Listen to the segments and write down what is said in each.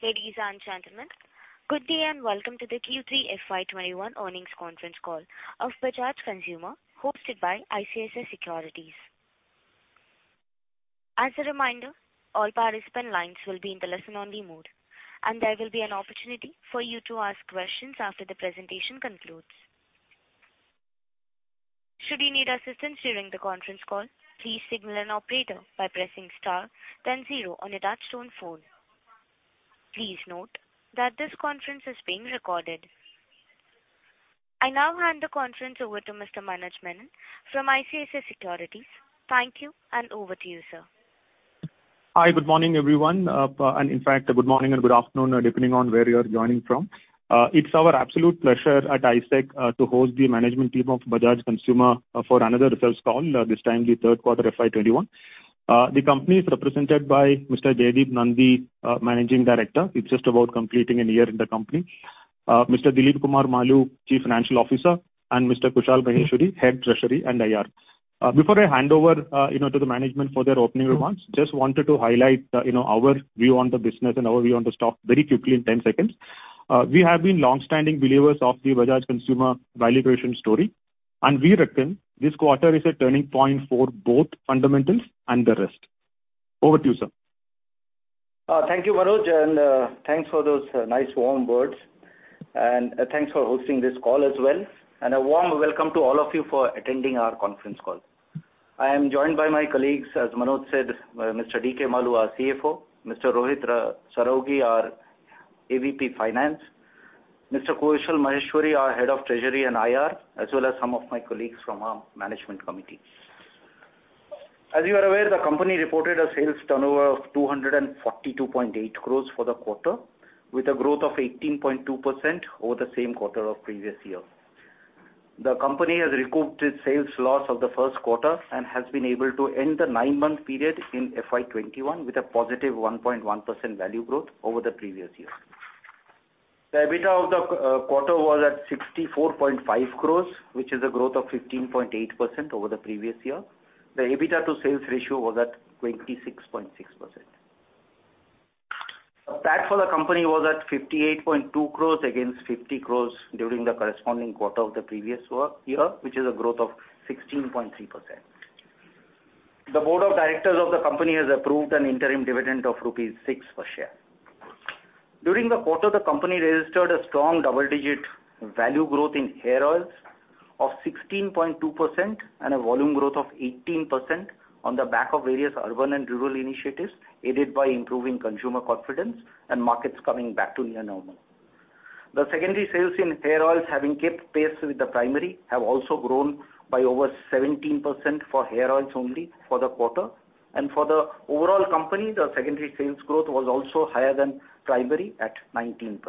Ladies and gentlemen, good day and welcome to the Q3 FY 2021 earnings conference call of Bajaj Consumer hosted by ICICI Securities. As a reminder, all participant lines will be in the listen-only mode, and there will be an opportunity for you to ask questions after the presentation concludes. Should you need assistance during the conference call, please signal an operator by pressing star then zero on your touch-tone phone. Please note that this conference is being recorded. I now hand the conference over to Mr. Manoj Menon from ICICI Securities. Thank you, and over to you, sir. Hi. Good morning, everyone. In fact, good morning or good afternoon, depending on where you are joining from. It's our absolute pleasure at ICICI Securities to host the management team of Bajaj Consumer Care for another results call, this time the third quarter FY 2021. The company is represented by Mr. Jaideep Nandi, Managing Director. He's just about completing one year in the company. Mr. Dilip Kumar Maloo, Chief Financial Officer, and Mr. Kushal Maheshwari, Head Treasury and IR. Before I hand over to the management for their opening remarks, just wanted to highlight our view on the business and our view on the stock very quickly in 10 seconds. We have been longstanding believers of the Bajaj Consumer Care valuation story, we reckon this quarter is a turning point for both fundamentals and the rest. Over to you, sir. Thank you, Manoj, thanks for those nice warm words, and thanks for hosting this call as well. A warm welcome to all of you for attending our conference call. I am joined by my colleagues, as Manoj said, Mr. D.K. Maloo, our CFO, Mr. Rohit Saraogi, our AVP Finance, Mr. Kushal Maheshwari, our Head of Treasury and IR, as well as some of my colleagues from our management committee. As you are aware, the company reported a sales turnover of 242.8 crore for the quarter, with a growth of 18.2% over the same quarter of the previous year. The company has recouped its sales loss of the first quarter and has been able to end the nine-month period in FY 2021 with a positive 1.1% value growth over the previous year. The EBITDA of the quarter was at 64.5 crore, which is a growth of 15.8% over the previous year. The EBITDA to sales ratio was at 26.6%. PAT for the company was at 58.2 crore against 50 crore during the corresponding quarter of the previous year, which is a growth of 16.3%. The board of directors of the company has approved an interim dividend of rupees 6 per share. During the quarter, the company registered a strong double-digit value growth in hair oils of 16.2% and a volume growth of 18% on the back of various urban and rural initiatives, aided by improving consumer confidence and markets coming back to near normal. The secondary sales in hair oils, having kept pace with the primary, have also grown by over 17% for hair oils only for the quarter. For the overall company, the secondary sales growth was also higher than primary at 19%.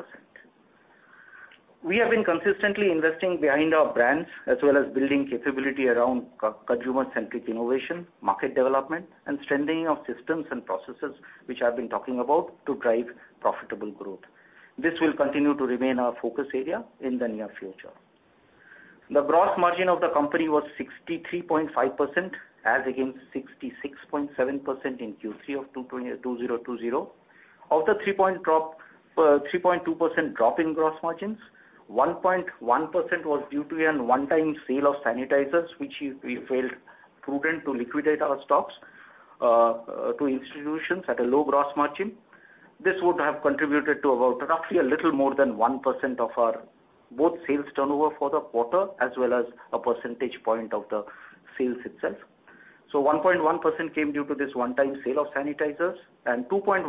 We have been consistently investing behind our brands as well as building capability around consumer-centric innovation, market development, and strengthening of systems and processes, which I've been talking about to drive profitable growth. This will continue to remain our focus area in the near future. The gross margin of the company was 63.5% as against 66.7% in Q3 of 2020. Of the 3.2% drop in gross margins, 1.1% was due to a one-time sale of sanitizers, which we felt prudent to liquidate our stocks to institutions at a low gross margin. This would have contributed to about roughly a little more than 1% of our both sales turnover for the quarter, as well as a percentage point of the sales itself. 1.1% came due to this one-time sale of sanitizers, and 2.1%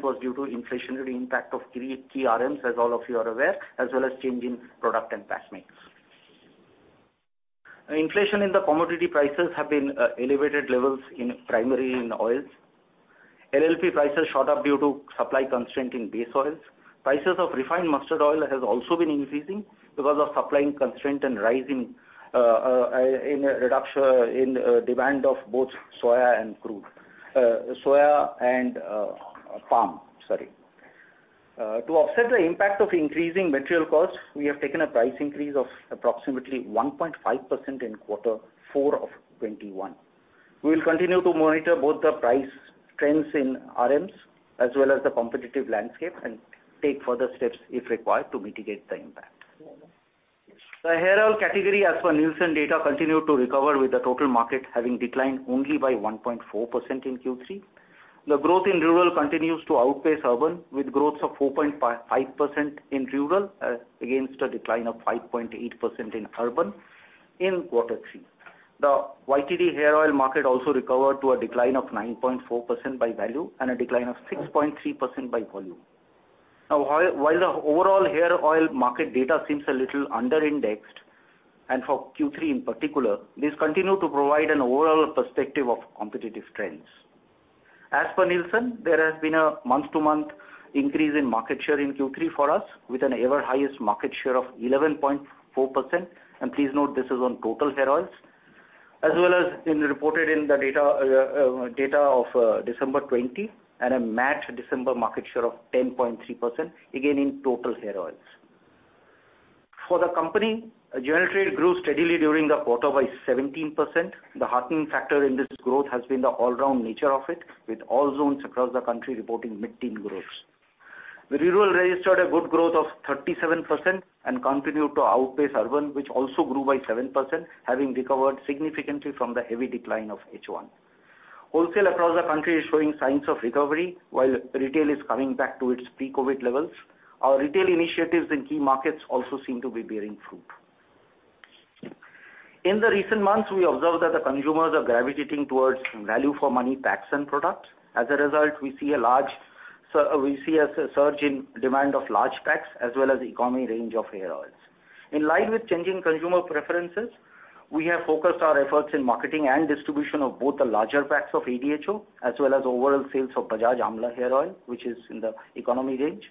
was due to inflationary impact of key RMs, as all of you are aware, as well as change in product and pack mix. Inflation in the commodity prices have been at elevated levels primarily in oils. LLP prices shot up due to supply constraint in base oils. Prices of refined mustard oil has also been increasing because of supplying constraint and rise in demand of both soya and palm. To offset the impact of increasing material costs, we have taken a price increase of approximately 1.5% in quarter four of 2021. We will continue to monitor both the price trends in RMs as well as the competitive landscape and take further steps if required to mitigate the impact. The hair oil category as per Nielsen data continued to recover with the total market having declined only by 1.4% in Q3. The growth in rural continues to outpace urban, with growth of 4.5% in rural against a decline of 5.8% in urban in quarter three. The YTD hair oil market also recovered to a decline of 9.4% by value and a decline of 6.3% by volume. While the overall hair oil market data seems a little under-indexed, and for Q3 in particular, this continued to provide an overall perspective of competitive trends. As per Nielsen, there has been a month-to-month increase in market share in Q3 for us with an ever-highest market share of 11.4%. Please note this is on total hair oils, as well as reported in the data of December 2020 and a MAT December market share of 10.3%, again in total hair oils. For the company, general trade grew steadily during the quarter by 17%. The heartening factor in this growth has been the all-round nature of it, with all zones across the country reporting mid-teen growths. The rural registered a good growth of 37% and continued to outpace urban, which also grew by 7%, having recovered significantly from the heavy decline of H1. Wholesale across the country is showing signs of recovery while retail is coming back to its pre-COVID levels. Our retail initiatives in key markets also seem to be bearing fruit. In the recent months, we observed that the consumers are gravitating towards value-for-money packs and products. We see a surge in demand of large packs, as well as economy range of hair oils. In line with changing consumer preferences, we have focused our efforts in marketing and distribution of both the larger packs of ADHO, as well as overall sales of Bajaj Amla Hair Oil, which is in the economy range.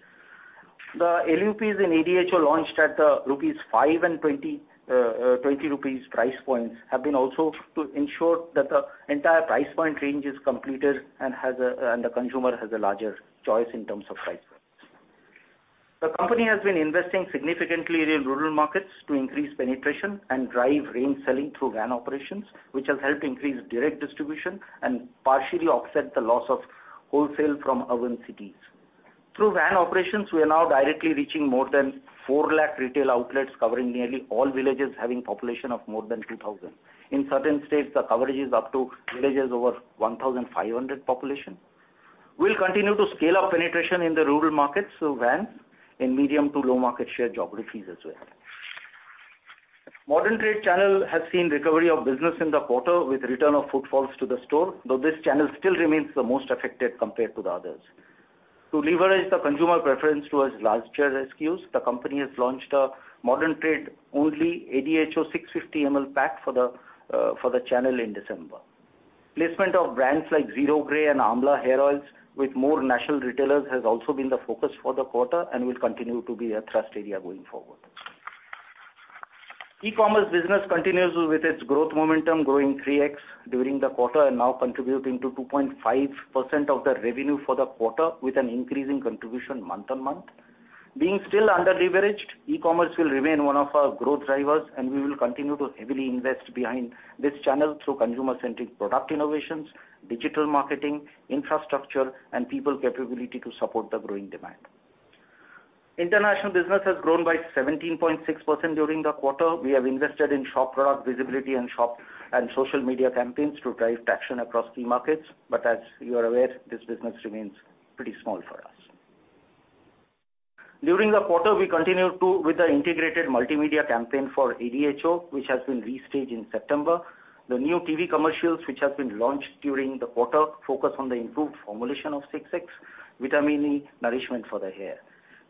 The LUPs in ADHO launched at the rupees 5 and 20 rupees price points have been also to ensure that the entire price point range is completed and the consumer has a larger choice in terms of price points. The company has been investing significantly in rural markets to increase penetration and drive range selling through van operations, which has helped increase direct distribution and partially offset the loss of wholesale from urban cities. Through van operations, we are now directly reaching more than four lakh retail outlets covering nearly all villages having population of more than 2,000. In certain states, the coverage is up to villages over 1,500 population. We'll continue to scale up penetration in the rural markets through vans in medium to low market share geographies as well. Modern trade channel has seen recovery of business in the quarter with return of footfalls to the store, though this channel still remains the most affected compared to the others. To leverage the consumer preference towards larger SKUs, the company has launched a modern trade-only ADHO 650 ml pack for the channel in December. Placement of brands like Zero Grey and Amla Hair Oils with more national retailers has also been the focus for the quarter and will continue to be a thrust area going forward. E-commerce business continues with its growth momentum, growing 3x during the quarter and now contributing to 2.5% of the revenue for the quarter, with an increase in contribution month-on-month. Being still under-leveraged, e-commerce will remain one of our growth drivers, and we will continue to heavily invest behind this channel through consumer-centric product innovations, digital marketing, infrastructure, and people capability to support the growing demand. International business has grown by 17.6% during the quarter. We have invested in shop product visibility and social media campaigns to drive traction across key markets. As you are aware, this business remains pretty small for us. During the quarter, we continued with the integrated multimedia campaign for ADHO, which has been restaged in September. The new TV commercials, which have been launched during the quarter, focus on the improved formulation of 6X Vitamin E nourishment for the hair.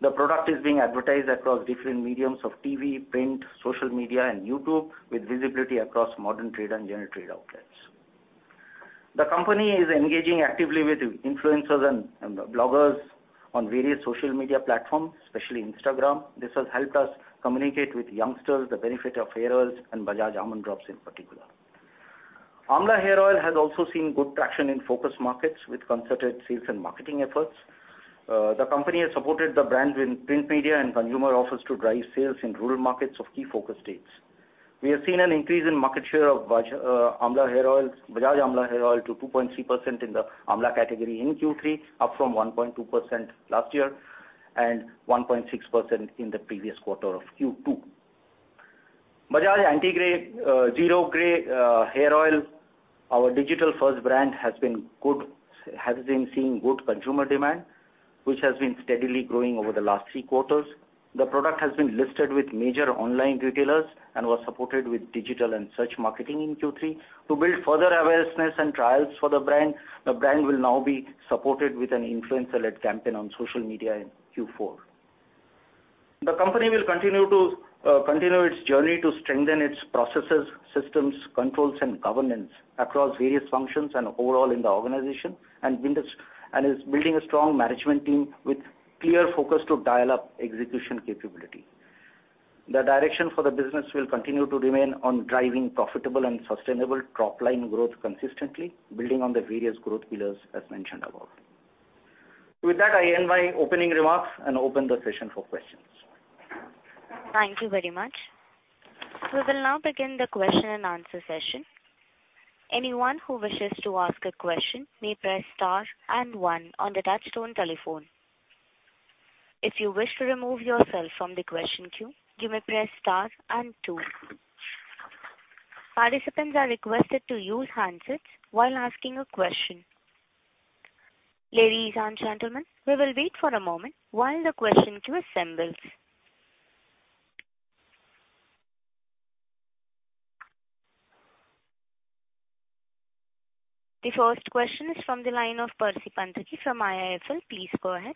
The product is being advertised across different mediums of TV, print, social media, and YouTube, with visibility across modern trade and general trade outlets. The company is engaging actively with influencers and bloggers on various social media platforms, especially Instagram. This has helped us communicate with youngsters the benefit of hair oils and Bajaj Almond Drops in particular. Bajaj Amla Hair Oil has also seen good traction in focus markets with concerted sales and marketing efforts. The company has supported the brand in print media and consumer offers to drive sales in rural markets of key focus states. We have seen an increase in market share of Bajaj Amla Hair Oil to 2.3% in the Amla category in Q3, up from 1.2% last year and 1.6% in the previous quarter of Q2. Bajaj Zero Grey hair oil, our digital-first brand, has been seeing good consumer demand, which has been steadily growing over the last three quarters. The product has been listed with major online retailers and was supported with digital and search marketing in Q3. To build further awareness and trials for the brand, the brand will now be supported with an influencer-led campaign on social media in Q4. The company will continue its journey to strengthen its processes, systems, controls, and governance across various functions and overall in the organization, and is building a strong management team with clear focus to dial up execution capability. The direction for the business will continue to remain on driving profitable and sustainable top-line growth consistently, building on the various growth pillars, as mentioned above. With that, I end my opening remarks and open the session for questions. Thank you very much. We will now begin the question and answer session. Participants are requested to use handsets while asking a question. Ladies and gentlemen, we will wait for a moment while the question queue assembles. The first question is from the line of Percy Panthaki from IIFL. Please go ahead.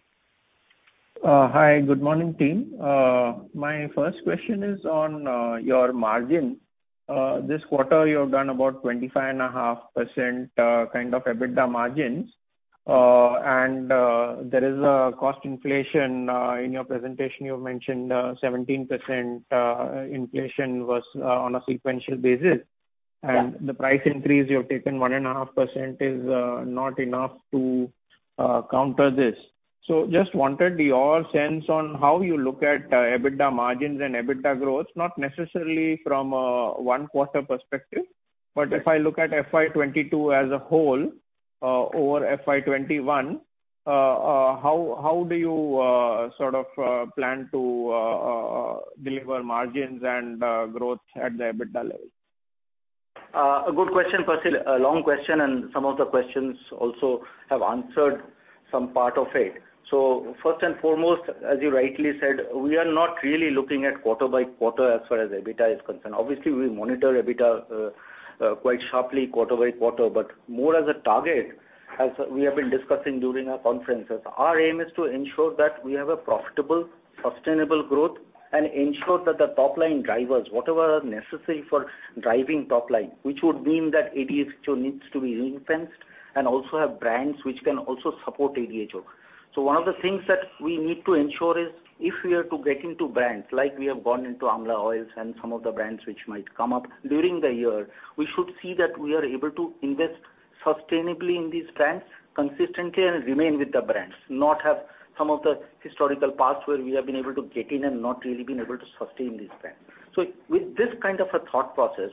Hi, good morning team. My first question is on your margin. This quarter, you have done about 25.5% kind of EBITDA margins. There is a cost inflation. In your presentation, you mentioned 17% inflation was on a sequential basis. The price increase you have taken, 1.5%, is not enough to counter this. Just wanted your sense on how you look at EBITDA margins and EBITDA growth, not necessarily from a one-quarter perspective. Yes. If I look at FY 2022 as a whole over FY 2021, how do you plan to deliver margins and growth at the EBITDA level? Good question, Percy. Long question, some of the questions also have answered some part of it. First and foremost, as you rightly said, we are not really looking at quarter by quarter as far as EBITDA is concerned. Obviously, we monitor EBITDA quite sharply quarter by quarter, more as a target. As we have been discussing during our conferences, our aim is to ensure that we have a profitable, sustainable growth and ensure that the top-line drivers, whatever are necessary for driving top line, which would mean that ADHO needs to be ring-fenced and also have brands which can also support ADHO. One of the things that we need to ensure is, if we are to get into brands like we have gone into Amla oils and some of the brands which might come up during the year, we should see that we are able to invest sustainably in these brands, consistently, and remain with the brands, not have some of the historical past where we have been able to get in and not really been able to sustain these brands. With this kind of a thought process,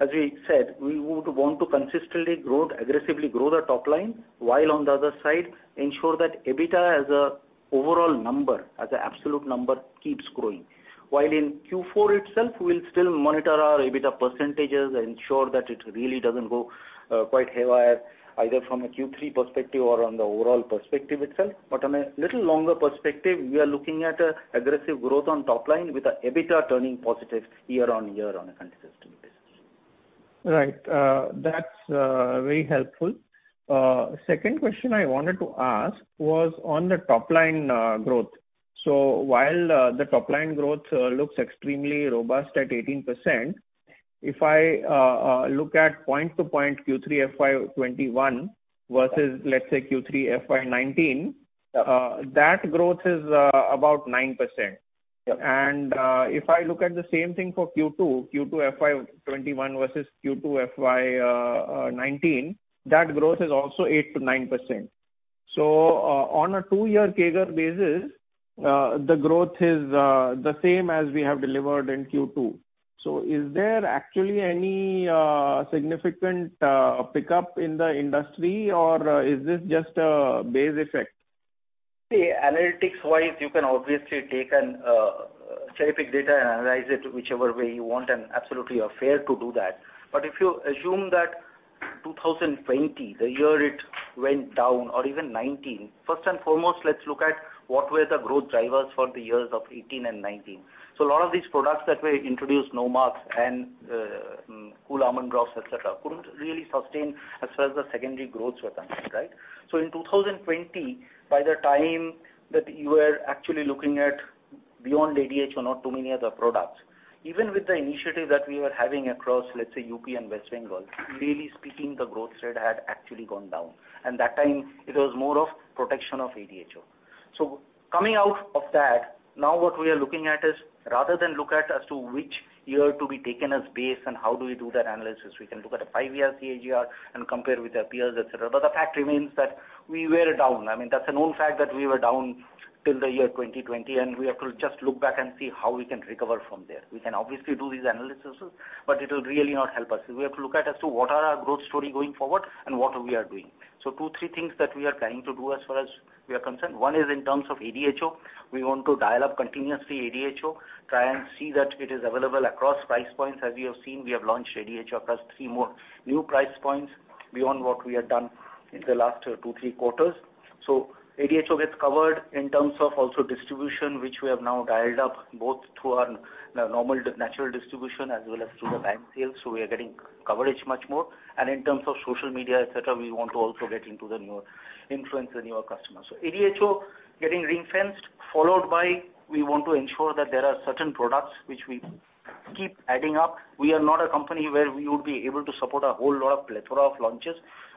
as we said, we would want to consistently aggressively grow the top line, while on the other side ensure that EBITDA as an overall number, as an absolute number, keeps growing. In Q4 itself, we'll still monitor our EBITDA percentages and ensure that it really doesn't go quite haywire, either from a Q3 perspective or on the overall perspective itself. On a little longer perspective, we are looking at aggressive growth on top line with our EBITDA turning positive year-over-year on a consistent basis. Right. That's very helpful. Second question I wanted to ask was on the top-line growth. While the top-line growth looks extremely robust at 18%, if I look at point to point Q3 FY 2021 versus, let's say, Q3 FY 2019, that growth is about 9%. Yep. If I look at the same thing for Q2 FY 2021 versus Q2 FY 2019, that growth is also 8%-9%. On a two-year CAGR basis, the growth is the same as we have delivered in Q2. Is there actually any significant pickup in the industry, or is this just a base effect? See, analytics-wise, you can obviously take a terrific data and analyze it whichever way you want, and absolutely you are fair to do that. If you assume that 2020, the year it went down or even 2019, first and foremost, let's look at what were the growth drivers for the years of 2018 and 2019. A lot of these products that were introduced, Nomarks and Cool Almond Drops, et cetera, couldn't really sustain as far as the secondary growths were concerned, right? In 2020, by the time that you were actually looking at beyond ADHO, not too many other products. Even with the initiative that we were having across, let's say, U.P. and West Bengal, really speaking, the growth rate had actually gone down, and that time it was more of protection of ADHO. Coming out of that, now what we are looking at is rather than look at as to which year to be taken as base and how do we do that analysis, we can look at a five-year CAGR and compare with the peers, et cetera. The fact remains that we were down. I mean, that's a known fact that we were down till the year 2020, and we have to just look back and see how we can recover from there. We can obviously do these analyses, but it will really not help us. We have to look at as to what are our growth story going forward and what we are doing. Two, three things that we are trying to do as far as we are concerned. One is in terms of ADHO. We want to dial up continuously ADHO, try and see that it is available across price points. As you have seen, we have launched ADHO plus three more new price points beyond what we have done in the last two, three quarters. ADHO gets covered in terms of also distribution, which we have now dialed up both through our normal natural distribution as well as through the van sales. We are getting coverage much more. In terms of social media, et cetera, we want to also get into the newer influence, the newer customers. ADHO getting ring-fenced, followed by we want to ensure that there are certain products which we keep adding up. We are not a company where we would be able to support a whole lot of plethora of launches.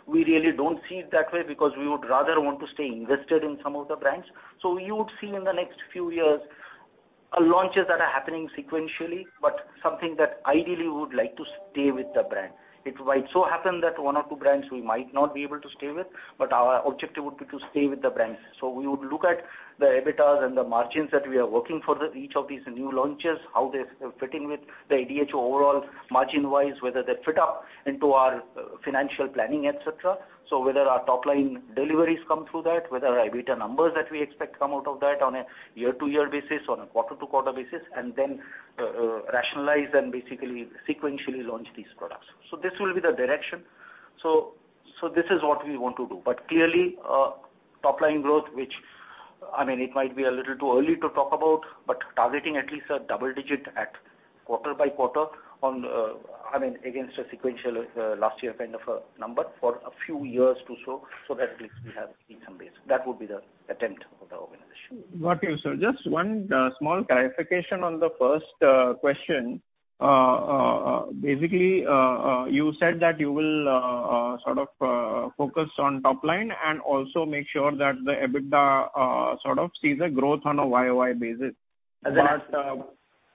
We really don't see it that way because we would rather want to stay invested in some of the brands. You would see in the next few years launches that are happening sequentially, but something that ideally would like to stay with the brand. It might so happen that one or two brands we might not be able to stay with, but our objective would be to stay with the brands. We would look at the EBITDA and the margins that we are working for each of these new launches, how they fit in with the ADHO overall margin-wise, whether they fit up into our financial planning, et cetera. Whether our top-line deliveries come through that, whether our EBITDA numbers that we expect come out of that on a year-to-year basis, on a quarter-to-quarter basis, and then rationalize and basically sequentially launch these products. This will be the direction. This is what we want to do. Clearly, top-line growth, which, I mean, it might be a little too early to talk about, but targeting at least a double-digit at quarter by quarter against a sequential last year kind of a number for a few years to show so that at least we have seen some base. That would be the attempt of the organization. Got you, sir. Just one small clarification on the first question. Basically, you said that you will focus on top line and also make sure that the EBITDA sees a growth on a YoY basis. Yes.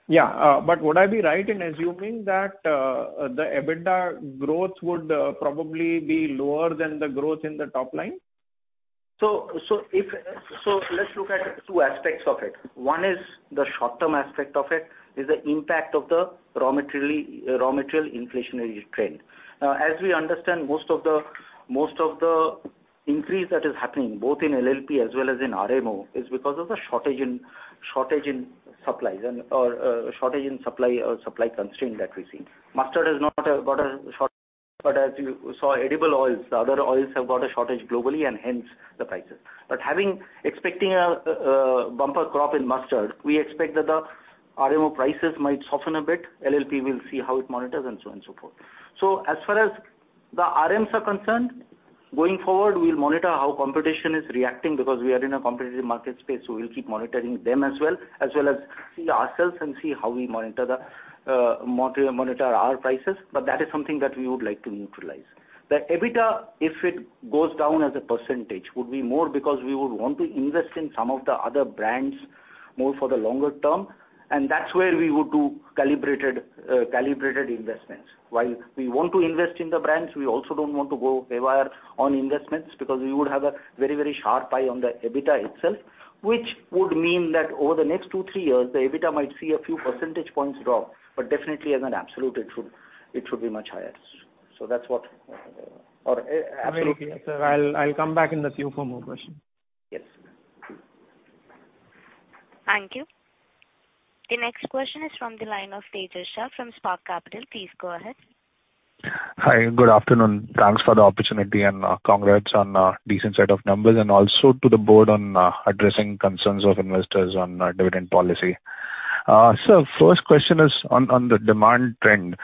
Yeah. Would I be right in assuming that the EBITDA growth would probably be lower than the growth in the top line? Let's look at two aspects of it. One is the short-term aspect of it, is the impact of the raw material inflationary trend. As we understand, most of the increase that is happening, both in LLP as well as in RMO, is because of the shortage in supplies or supply constraint that we see. Mustard has not got a shortage, but as you saw, edible oils, the other oils have got a shortage globally, and hence the prices. Expecting a bumper crop in mustard, we expect that the RMO prices might soften a bit. LLP, we'll see how it monitors, and so on so forth. As far as the RMs are concerned, going forward, we'll monitor how competition is reacting because we are in a competitive market space. We'll keep monitoring them as well, as well as see ourselves and see how we monitor our prices. That is something that we would like to neutralize. The EBITDA, if it goes down as a percentage, would be more because we would want to invest in some of the other brands more for the longer term, and that's where we would do calibrated investments. While we want to invest in the brands, we also don't want to go wayward on investments because we would have a very sharp eye on the EBITDA itself. Which would mean that over the next 2-3 years, the EBITDA might see a few percentage points drop, but definitely as an absolute, it should be much higher. That's what. Okay. Sir, I'll come back in the queue for more questions. Yes. Thank you. The next question is from the line of Tejas Shah from Spark Capital. Please go ahead. Hi, good afternoon. Thanks for the opportunity and congrats on a decent set of numbers and also to the board on addressing concerns of investors on dividend policy. Sir, first question is on the demand trend.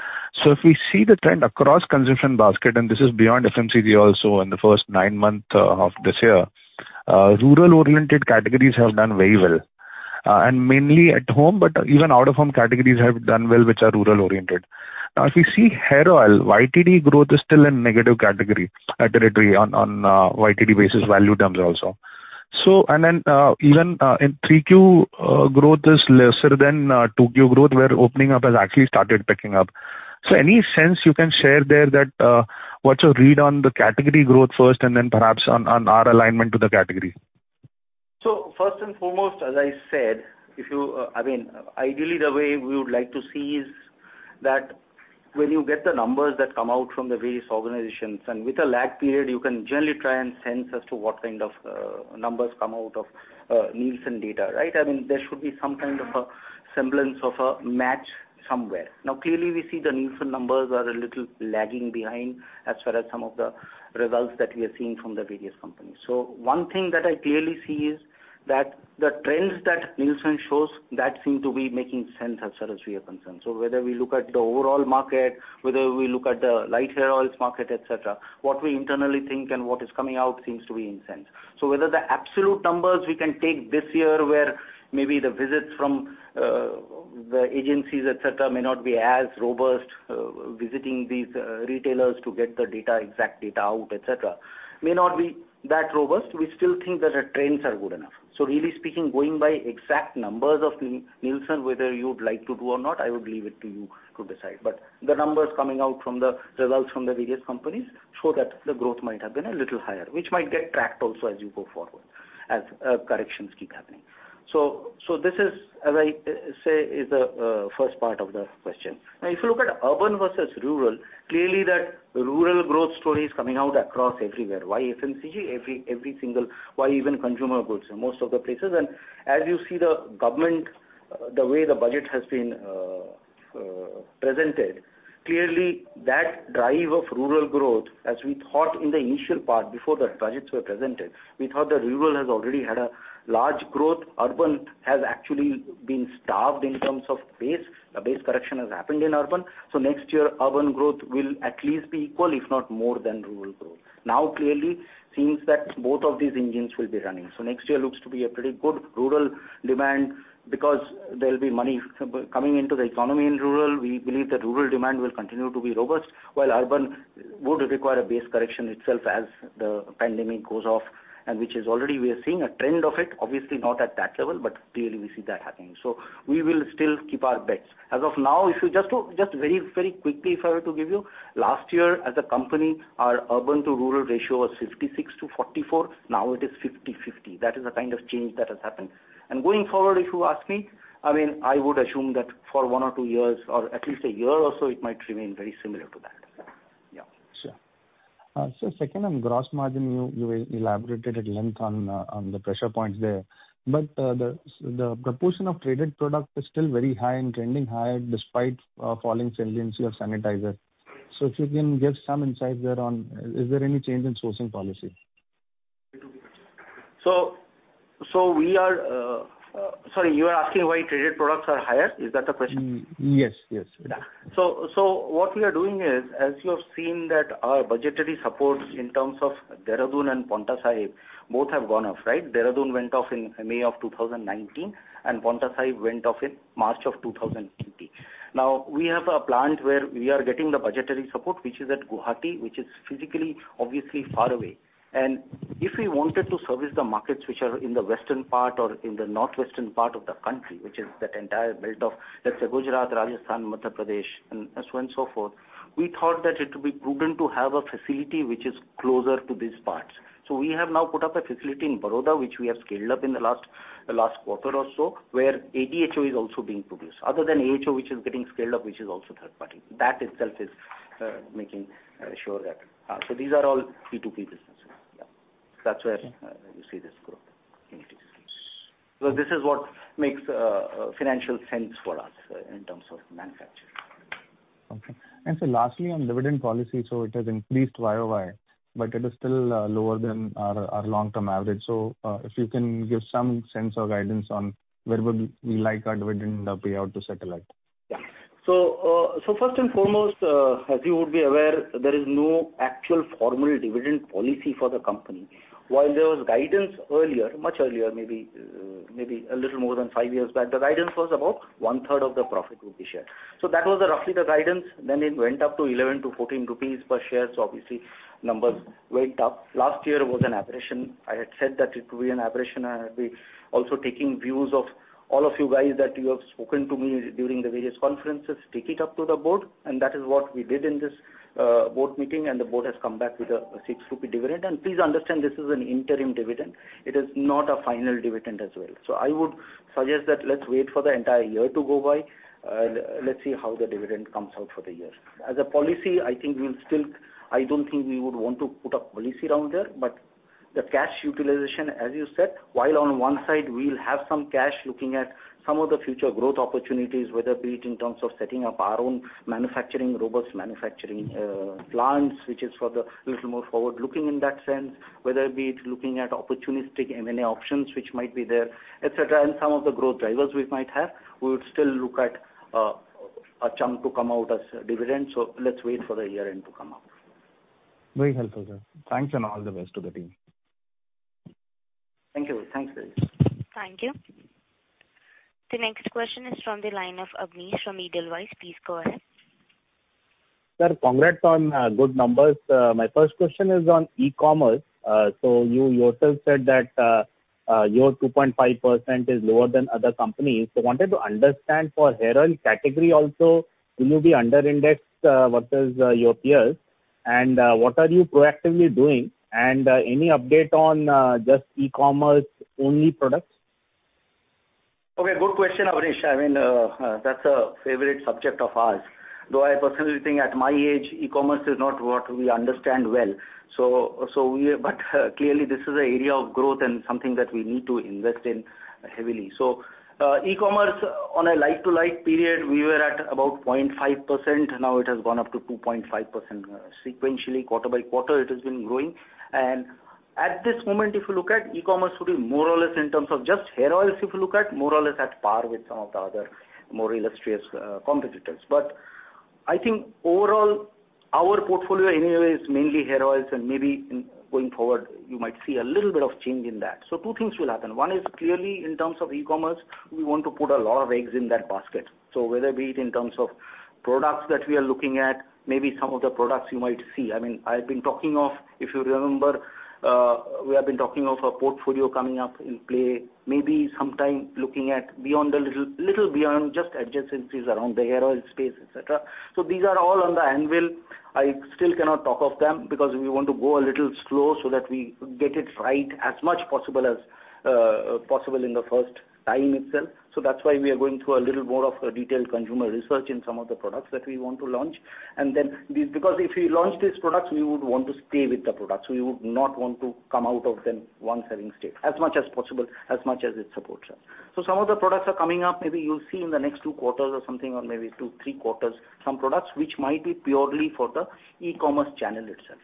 If we see the trend across consumption basket, this is beyond FMCG also in the first nine months of this year, rural-oriented categories have done very well. Mainly at home, even out-of-home categories have done well, which are rural-oriented. If you see hair oil, YTD growth is still in negative category territory on YTD basis, value terms also. Even in 3Q, growth is lesser than 2Q growth, where opening up has actually started picking up. Any sense you can share there that what's your read on the category growth first perhaps on our alignment to the category? First and foremost, as I said, ideally the way we would like to see is that when you get the numbers that come out from the various organizations, and with a lag period, you can generally try and sense as to what kind of numbers come out of Nielsen data, right? There should be some kind of a semblance of a match somewhere. Now, clearly, we see the Nielsen numbers are a little lagging behind as far as some of the results that we are seeing from the various companies. One thing that I clearly see is that the trends that Nielsen shows, that seem to be making sense as far as we are concerned. Whether we look at the overall market, whether we look at the light hair oils market, et cetera, what we internally think and what is coming out seems to be in sync. Whether the absolute numbers we can take this year, where maybe the visits from the agencies, et cetera, may not be as robust, visiting these retailers to get the exact data out, et cetera, may not be that robust. We still think that the trends are good enough. Really speaking, going by exact numbers of Nielsen, whether you would like to do or not, I would leave it to you to decide. The numbers coming out from the results from the various companies show that the growth might have been a little higher, which might get tracked also as you go forward, as corrections keep happening. This is, as I say, is the first part of the question. If you look at urban versus rural, clearly that rural growth story is coming out across everywhere. Why FMCG? Every single, why even consumer goods in most of the places. As you see the government, the way the budget has been presented, clearly that drive of rural growth as we thought in the initial part before the budgets were presented, we thought that rural has already had a large growth. Urban has actually been starved in terms of base. A base correction has happened in urban. Next year, urban growth will at least be equal, if not more than rural growth. Now, clearly, seems that both of these engines will be running. Next year looks to be a pretty good rural demand because there'll be money coming into the economy in rural. We believe that rural demand will continue to be robust while urban would require a base correction itself as the pandemic goes off, which is already we are seeing a trend of it, obviously not at that level, but clearly we see that happening. We will still keep our bets. As of now, if you just look, just very quickly if I were to give you, last year as a company, our urban to rural ratio was 56 to 44. Now it is 50/50. That is the kind of change that has happened. Going forward, if you ask me, I would assume that for one or two years or at least a year or so, it might remain very similar to that. Yeah. Sure. Sir, second on gross margin, you elaborated at length on the pressure points there. The proportion of traded product is still very high and trending higher despite falling saliency of sanitizer. If you can give some insight there on, is there any change in sourcing policy? Sorry, you are asking why traded products are higher? Is that the question? Yes. What we are doing is, as you have seen that our budgetary supports in terms of Dehradun and Paonta Sahib, both have gone off. Dehradun went off in May of 2019, and Paonta Sahib went off in March of 2020. We have a plant where we are getting the budgetary support, which is at Guwahati, which is physically, obviously far away. If we wanted to service the markets which are in the western part or in the northwestern part of the country, which is that entire belt of, let's say Gujarat, Rajasthan, Madhya Pradesh, and so on and so forth, we thought that it would be prudent to have a facility which is closer to these parts. We have now put up a facility in Baroda, which we have scaled up in the last quarter or so, where ADHO is also being produced. Other than ADHO, which is getting scaled up, which is also third party. These are all B2B businesses. That's where you see this growth in these facilities. This is what makes financial sense for us in terms of manufacturing. Okay. Lastly, on dividend policy, it has increased Y-o-Y, but it is still lower than our long-term average. If you can give some sense or guidance on where would we like our dividend payout to settle at? Yeah. First and foremost, as you would be aware, there is no actual formal dividend policy for the company. While there was guidance earlier, much earlier, maybe a little more than five years back, the guidance was about 1/3 of the profit would be shared. That was roughly the guidance. It went up to 11-14 rupees per share, obviously numbers went up. Last year was an aberration. I had said that it would be an aberration, and I had been also taking views of all of you guys that you have spoken to me during the various conferences, take it up to the board, and that is what we did in this board meeting, and the board has come back with a 6 rupee dividend. Please understand, this is an interim dividend. It is not a final dividend as well. I would suggest that let's wait for the entire year to go by. Let's see how the dividend comes out for the year. As a policy, I do not think we would want to put a policy around there, but the cash utilization, as you said, while on one side we will have some cash looking at some of the future growth opportunities, whether be it in terms of setting up our own robust manufacturing plants, which is for the little more forward-looking in that sense, whether it be looking at opportunistic M&A options which might be there, et cetera, and some of the growth drivers we might have, we would still look at a chunk to come out as dividends. Let's wait for the year-end to come out. Very helpful, sir. Thanks, and all the best to the team. Thank you. Thanks, Tejas. Thank you. The next question is from the line of Abneesh from Edelweiss. Please go ahead. Sir, congrats on good numbers. My first question is on e-commerce. You yourself said that your 2.5% is lower than other companies. Wanted to understand for hair oil category also, will you be under indexed versus your peers? What are you proactively doing, and any update on just e-commerce only products? Okay, good question, Abneesh. That's a favorite subject of ours. I personally think at my age, e-commerce is not what we understand well. Clearly, this is an area of growth and something that we need to invest in heavily. E-commerce on a like-to-like period, we were at about 0.5%. Now it has gone up to 2.5% sequentially, quarter by quarter it has been growing. At this moment, if you look at e-commerce, should be more or less in terms of just hair oils, if you look at more or less at par with some of the other more illustrious competitors. I think overall, our portfolio anyway is mainly hair oils, and maybe going forward, you might see a little bit of change in that. Two things will happen. One is clearly in terms of e-commerce, we want to put a lot of eggs in that basket. Whether be it in terms of products that we are looking at, maybe some of the products you might see. I've been talking of, if you remember, we have been talking of a portfolio coming up in play, maybe sometime looking at little beyond just adjacencies around the hair oil space, et cetera. These are all on the anvil. I still cannot talk of them because we want to go a little slow so that we get it right as much possible in the first time itself. That's why we are going through a little more of a detailed consumer research in some of the products that we want to launch. Because if we launch these products, we would want to stay with the products. We would not want to come out of them once having stayed as much as possible, as much as it supports us. Some of the products are coming up, maybe you'll see in the next two quarters or something, or maybe two, three quarters, some products which might be purely for the e-commerce channel itself.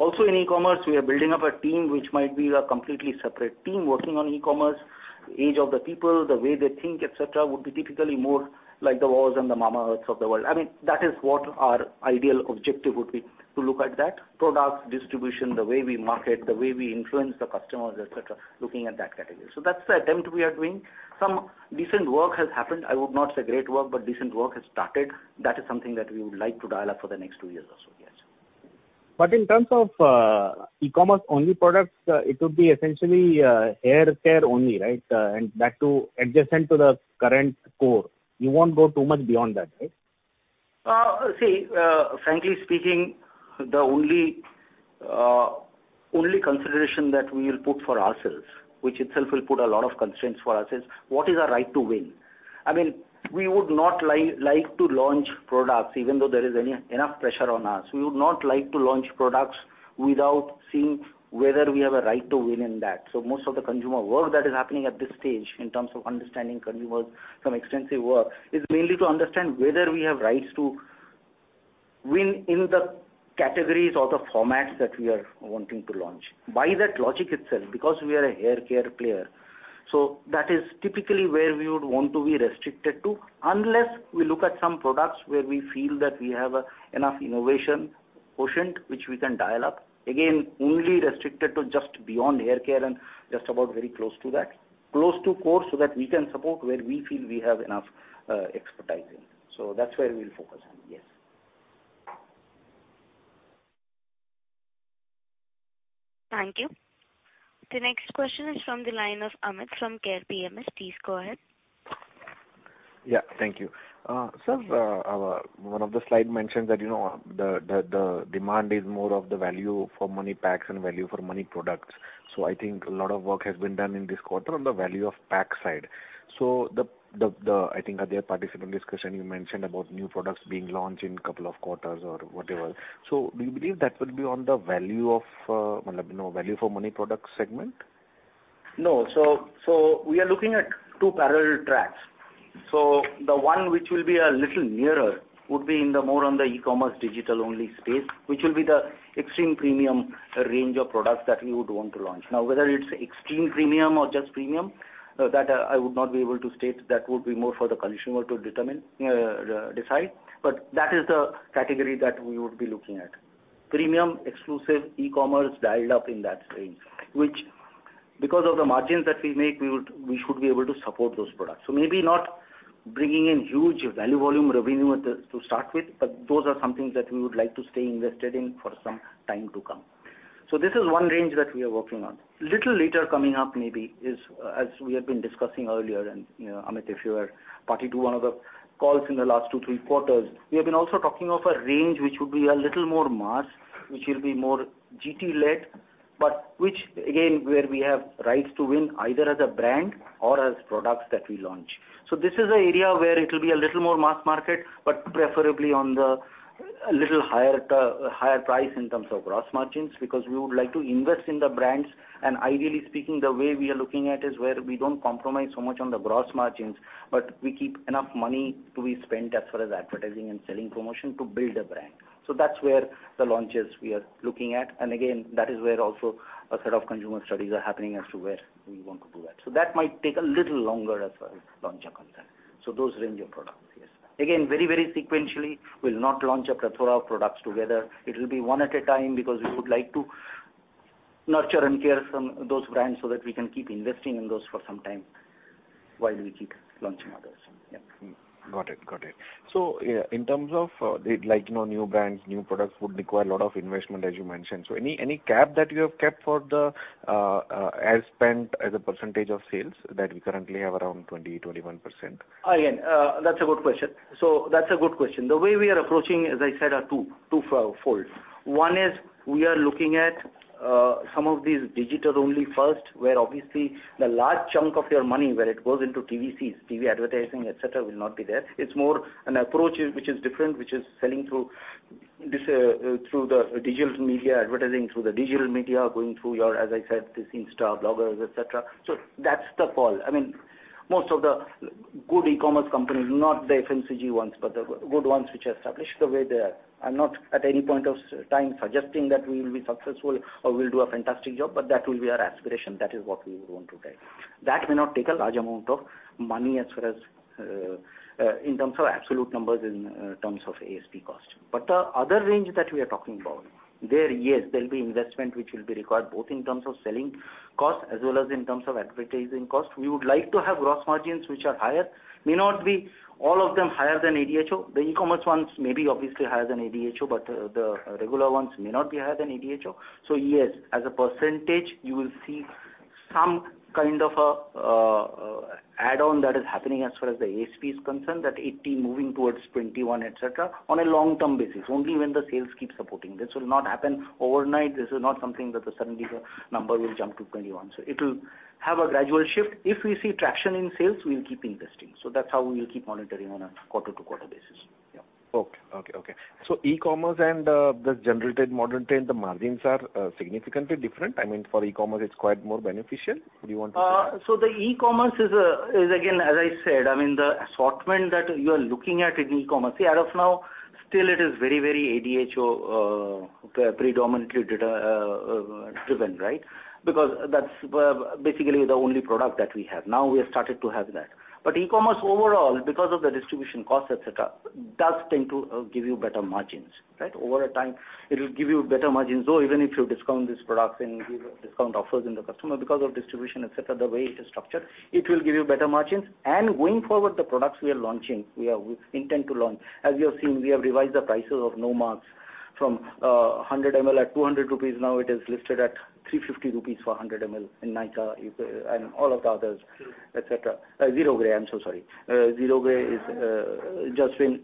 In e-commerce, we are building up a team which might be a completely separate team working on e-commerce. Age of the people, the way they think, et cetera, would be typically more like the WOWs and the Mamaearths of the world. That is what our ideal objective would be to look at that. Products distribution, the way we market, the way we influence the customers, et cetera, looking at that category. That's the attempt we are doing. Some decent work has happened. I would not say great work, but decent work has started. That is something that we would like to dial up for the next two years or so, yes. In terms of e-commerce only products, it would be essentially haircare only, right? That too adjacent to the current core. You won't go too much beyond that, right? Frankly speaking, the only consideration that we will put for ourselves, which itself will put a lot of constraints for ourselves, what is our right to win? We would not like to launch products even though there is enough pressure on us. We would not like to launch products without seeing whether we have a right to win in that. Most of the consumer work that is happening at this stage in terms of understanding consumers, some extensive work, is mainly to understand whether we have rights to win in the categories or the formats that we are wanting to launch. By that logic itself, because we are a hair care player, so that is typically where we would want to be restricted to, unless we look at some products where we feel that we have enough innovation quotient, which we can dial up. Only restricted to just beyond hair care and just about very close to that. Close to core, so that we can support where we feel we have enough expertise in. That's where we'll focus on. Yes. Thank you. The next question is from the line of Amit from Care PMS. Please go ahead. Yeah. Thank you. Sir, one of the slide mentions that the demand is more of the value for money packs and value for money products. I think a lot of work has been done in this quarter on the value of pack side. I think earlier in the discussion, you mentioned about new products being launched in couple of quarters or whatever. Do you believe that will be on the value for money product segment? No. We are looking at two parallel tracks. The one which will be a little nearer would be more on the e-commerce digital-only space, which will be the extreme premium range of products that we would want to launch. Whether it's extreme premium or just premium, that I would not be able to state. That would be more for the consumer to decide. That is the category that we would be looking at, premium exclusive e-commerce dialed up in that range, which, because of the margins that we make, we should be able to support those products. Maybe not bringing in huge value-volume revenue to start with, but those are some things that we would like to stay invested in for some time to come. This is one range that we are working on. Little later coming up maybe is, as we have been discussing earlier, and Amit, if you were party to one of the calls in the last two, three quarters, we have been also talking of a range which would be a little more mass, which will be more GT-led, but which again, where we have rights to win either as a brand or as products that we launch. This is an area where it'll be a little more mass market, but preferably on the little higher price in terms of gross margins, because we would like to invest in the brands. Ideally speaking, the way we are looking at is where we don't compromise so much on the gross margins, but we keep enough money to be spent as far as advertising and selling promotion to build a brand. That's where the launches we are looking at. Again, that is where also a set of consumer studies are happening as to where we want to do that. That might take a little longer as far as launch are concerned. Those range of products, yes. Again, very sequentially, we'll not launch up a thorough products together. It'll be one at a time because we would like to nurture and care some those brands so that we can keep investing in those for some time, while we keep launching others. Yeah. Got it. In terms of new brands, new products would require a lot of investment, as you mentioned. Any cap that you have kept for the ad spend as a percentage of sales that we currently have around 20%, 21%? Again, that's a good question. The way we are approaching, as I said, are twofold. One is we are looking at some of these digital-only first, where obviously the large chunk of your money where it goes into TVCs, TV advertising, et cetera, will not be there. It's more an approach which is different, which is selling through the digital media, advertising through the digital media, going through your, as I said, this Insta, bloggers, et cetera. That's the call. Most of the good e-commerce companies, not the FMCG ones, but the good ones which are established the way they are. I'm not at any point of time suggesting that we will be successful or we'll do a fantastic job, but that will be our aspiration. That is what we would want to drive. That may not take a large amount of money as far as in terms of absolute numbers, in terms of ASP cost. The other range that we are talking about, there, yes, there'll be investment which will be required both in terms of selling cost as well as in terms of advertising cost. We would like to have gross margins which are higher. May not be all of them higher than ADHO. The e-commerce ones may be obviously higher than ADHO, the regular ones may not be higher than ADHO. Yes, as a percentage, you will see some kind of a add-on that is happening as far as the ASP is concerned, that 18 moving towards 21, et cetera, on a long-term basis. Only when the sales keep supporting. This will not happen overnight. This is not something that suddenly the number will jump to 21. It'll have a gradual shift. If we see traction in sales, we'll keep investing. That's how we will keep monitoring on a quarter-to-quarter basis. Yeah. Okay. E-commerce and the generated modern trade, the margins are significantly different? For e-commerce, it's quite more beneficial? Do you want to say? The e-commerce is, again, as I said, the assortment that you are looking at in e-commerce, see, as of now, still it is very ADHO predominantly data-driven, right? Because that's basically the only product that we have. We have started to have that. E-commerce overall, because of the distribution cost, et cetera, does tend to give you better margins, right? Over a time, it'll give you better margins, though even if you discount this product and give discount offers in the customer because of distribution, et cetera, the way it is structured, it will give you better margins. Going forward, the products we are launching, we intend to launch. As you have seen, we have revised the prices of Nomarks from 100 ml at 200 rupees, now it is listed at 350 rupees for 100 ml in Nykaa and all of the others, et cetera. Zero Grey, I'm so sorry. Zero Grey has just been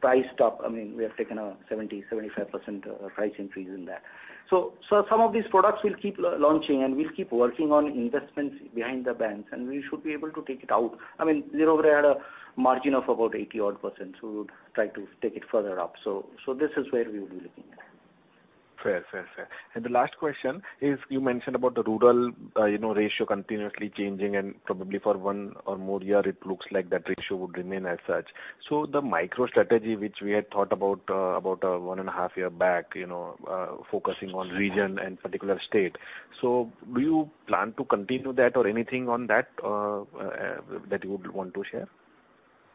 priced up. We have taken a 70%, 75% price increase in that. Some of these products we'll keep launching, and we'll keep working on investments behind the brands, and we should be able to take it out. Zero Grey had a margin of about 80 odd%, so we would try to take it further up. This is where we would be looking at. Fair. The last question is, you mentioned about the rural ratio continuously changing, and probably for one or more year it looks like that ratio would remain as such. The micro strategy which we had thought about 1.5 years back, focusing on region and particular state. Do you plan to continue that or anything on that you would want to share?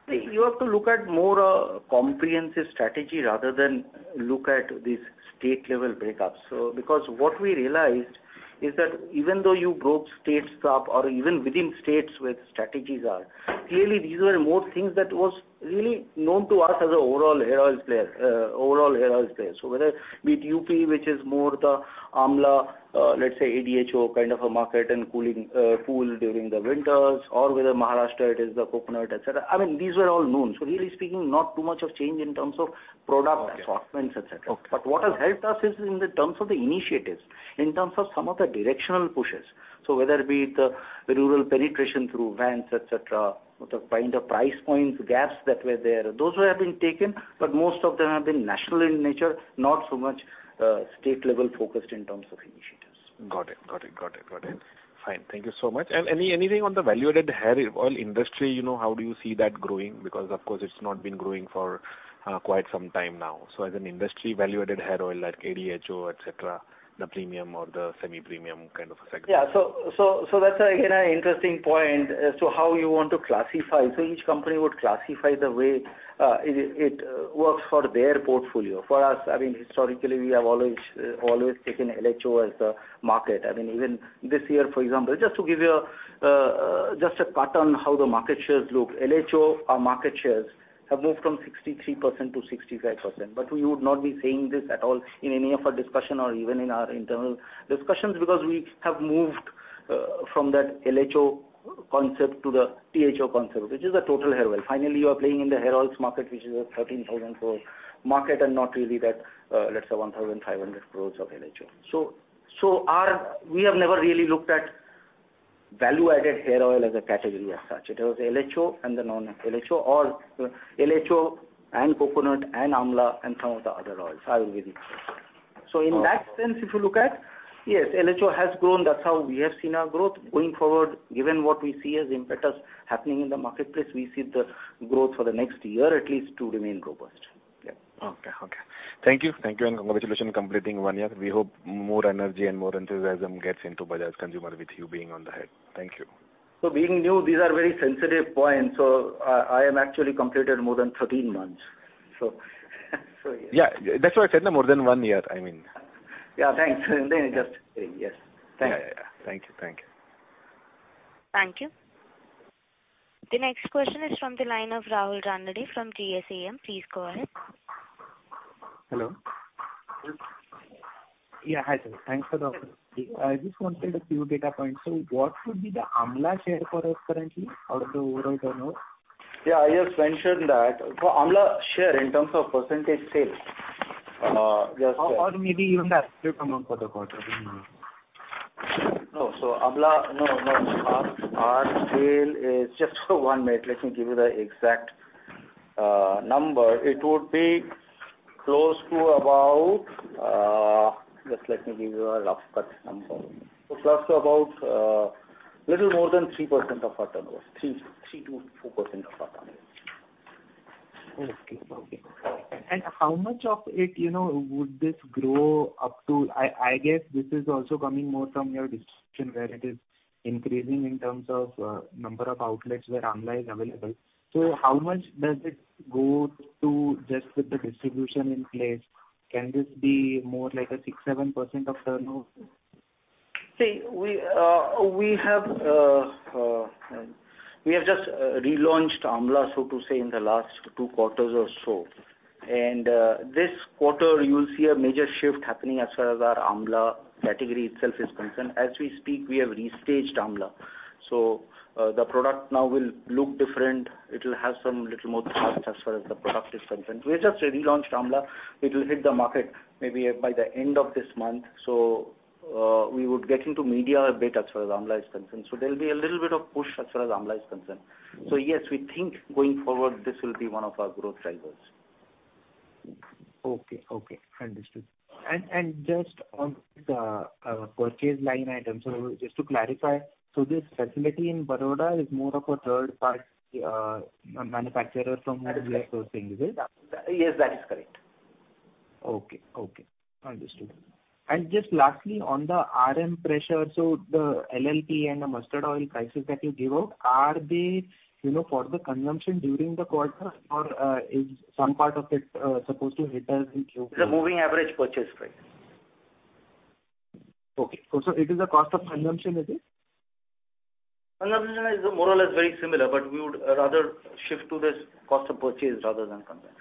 You have to look at more comprehensive strategy rather than look at this state-level breakup. What we realized is that even though you broke states up or even within states where strategies are, clearly these were more things that was really known to us as an overall hair oils player. Whether be it UP, which is more the Amla, let's say ADHO kind of a market and pull during the winters, or whether Maharashtra, it is the coconut, et cetera. These were all known. Really speaking, not too much of change in terms of product assortments, et cetera. Okay. What has helped us is in the terms of the initiatives, in terms of some of the directional pushes. Whether it be the rural penetration through vans, et cetera, or the kind of price points gaps that were there, those have been taken, but most of them have been national in nature, not so much state level focused in terms of initiatives. Got it. Fine. Thank you so much. Anything on the value-added hair oil industry? How do you see that growing? Of course, it's not been growing for quite some time now. As an industry value-added hair oil, like ADHO, et cetera, the premium or the semi-premium kind of a segment. That's again, an interesting point as to how you want to classify. Each company would classify the way it works for their portfolio. For us, historically, we have always taken LHO as the market. Even this year, for example, just to give you a pattern how the market shares look, LHO, our market shares have moved from 63% to 65%. We would not be saying this at all in any of our discussion or even in our internal discussions, because we have moved from that LHO concept to the THO concept, which is the total hair oil. Finally, you are playing in the hair oils market, which is an 13,000 crore market and not really that, let's say 1,500 crore of LHO. We have never really looked at value-added hair oil as a category as such. It was LHO and the non-LHO, or LHO and coconut and Amla and some of the other oils. In that sense if you look at, yes, LHO has grown. That's how we have seen our growth. Going forward, given what we see as impetus happening in the marketplace, we see the growth for the next year at least to remain robust. Yeah. Okay. Thank you. Congratulations completing one year. We hope more energy and more enthusiasm gets into Bajaj Consumer with you being on the head. Thank you. Being new, these are very sensitive points, so I have actually completed more than 13 months. Yeah. That's why I said more than one year. Yeah, thanks. Just saying. Yes. Thanks. Yeah. Thank you. Thank you. The next question is from the line of Rahul Ranade from GSAM. Please go ahead. Hello. Hi, sir. Thanks for the opportunity. I just wanted a few data points. What would be the Amla share for us currently out of the overall turnover? Yeah, I just mentioned that. Amla share in terms of % sales. Maybe even the absolute amount for the quarter. No, our sale is, just one minute, let me give you the exact number. It would be close to about, just let me give you a rough cut number. Close to about little more than 3% of our turnover. 3%-4% of our turnover. Okay. How much of it would this grow up to? I guess this is also coming more from your discussion where it is increasing in terms of number of outlets where Amla is available. How much does it go to just with the distribution in place? Can this be more like a 6%, 7% of turnover? We have just relaunched Amla, so to say, in the last two quarters or so. This quarter, you'll see a major shift happening as far as our Amla category itself is concerned. As we speak, we have restaged Amla. The product now will look different. It will have some little more parts as far as the product is concerned. We just relaunched Amla. It will hit the market maybe by the end of this month. We would get into media a bit as far as Amla is concerned. There'll be a little bit of push as far as Amla is concerned. Yes, we think going forward, this will be one of our growth drivers. Okay. Understood. Just on the purchase line items, just to clarify, this facility in Baroda is more of a third-party manufacturer from where we are sourcing, is it? Yes, that is correct. Okay. Understood. Just lastly, on the RM pressure, the LLP and the mustard oil prices that you gave out, are they for the consumption during the quarter or is some part of it supposed to hit as in Q4? It's a moving average purchase price. Okay. It is a cost of consumption, is it? Consumption is more or less very similar, but we would rather shift to this cost of purchase rather than consumption.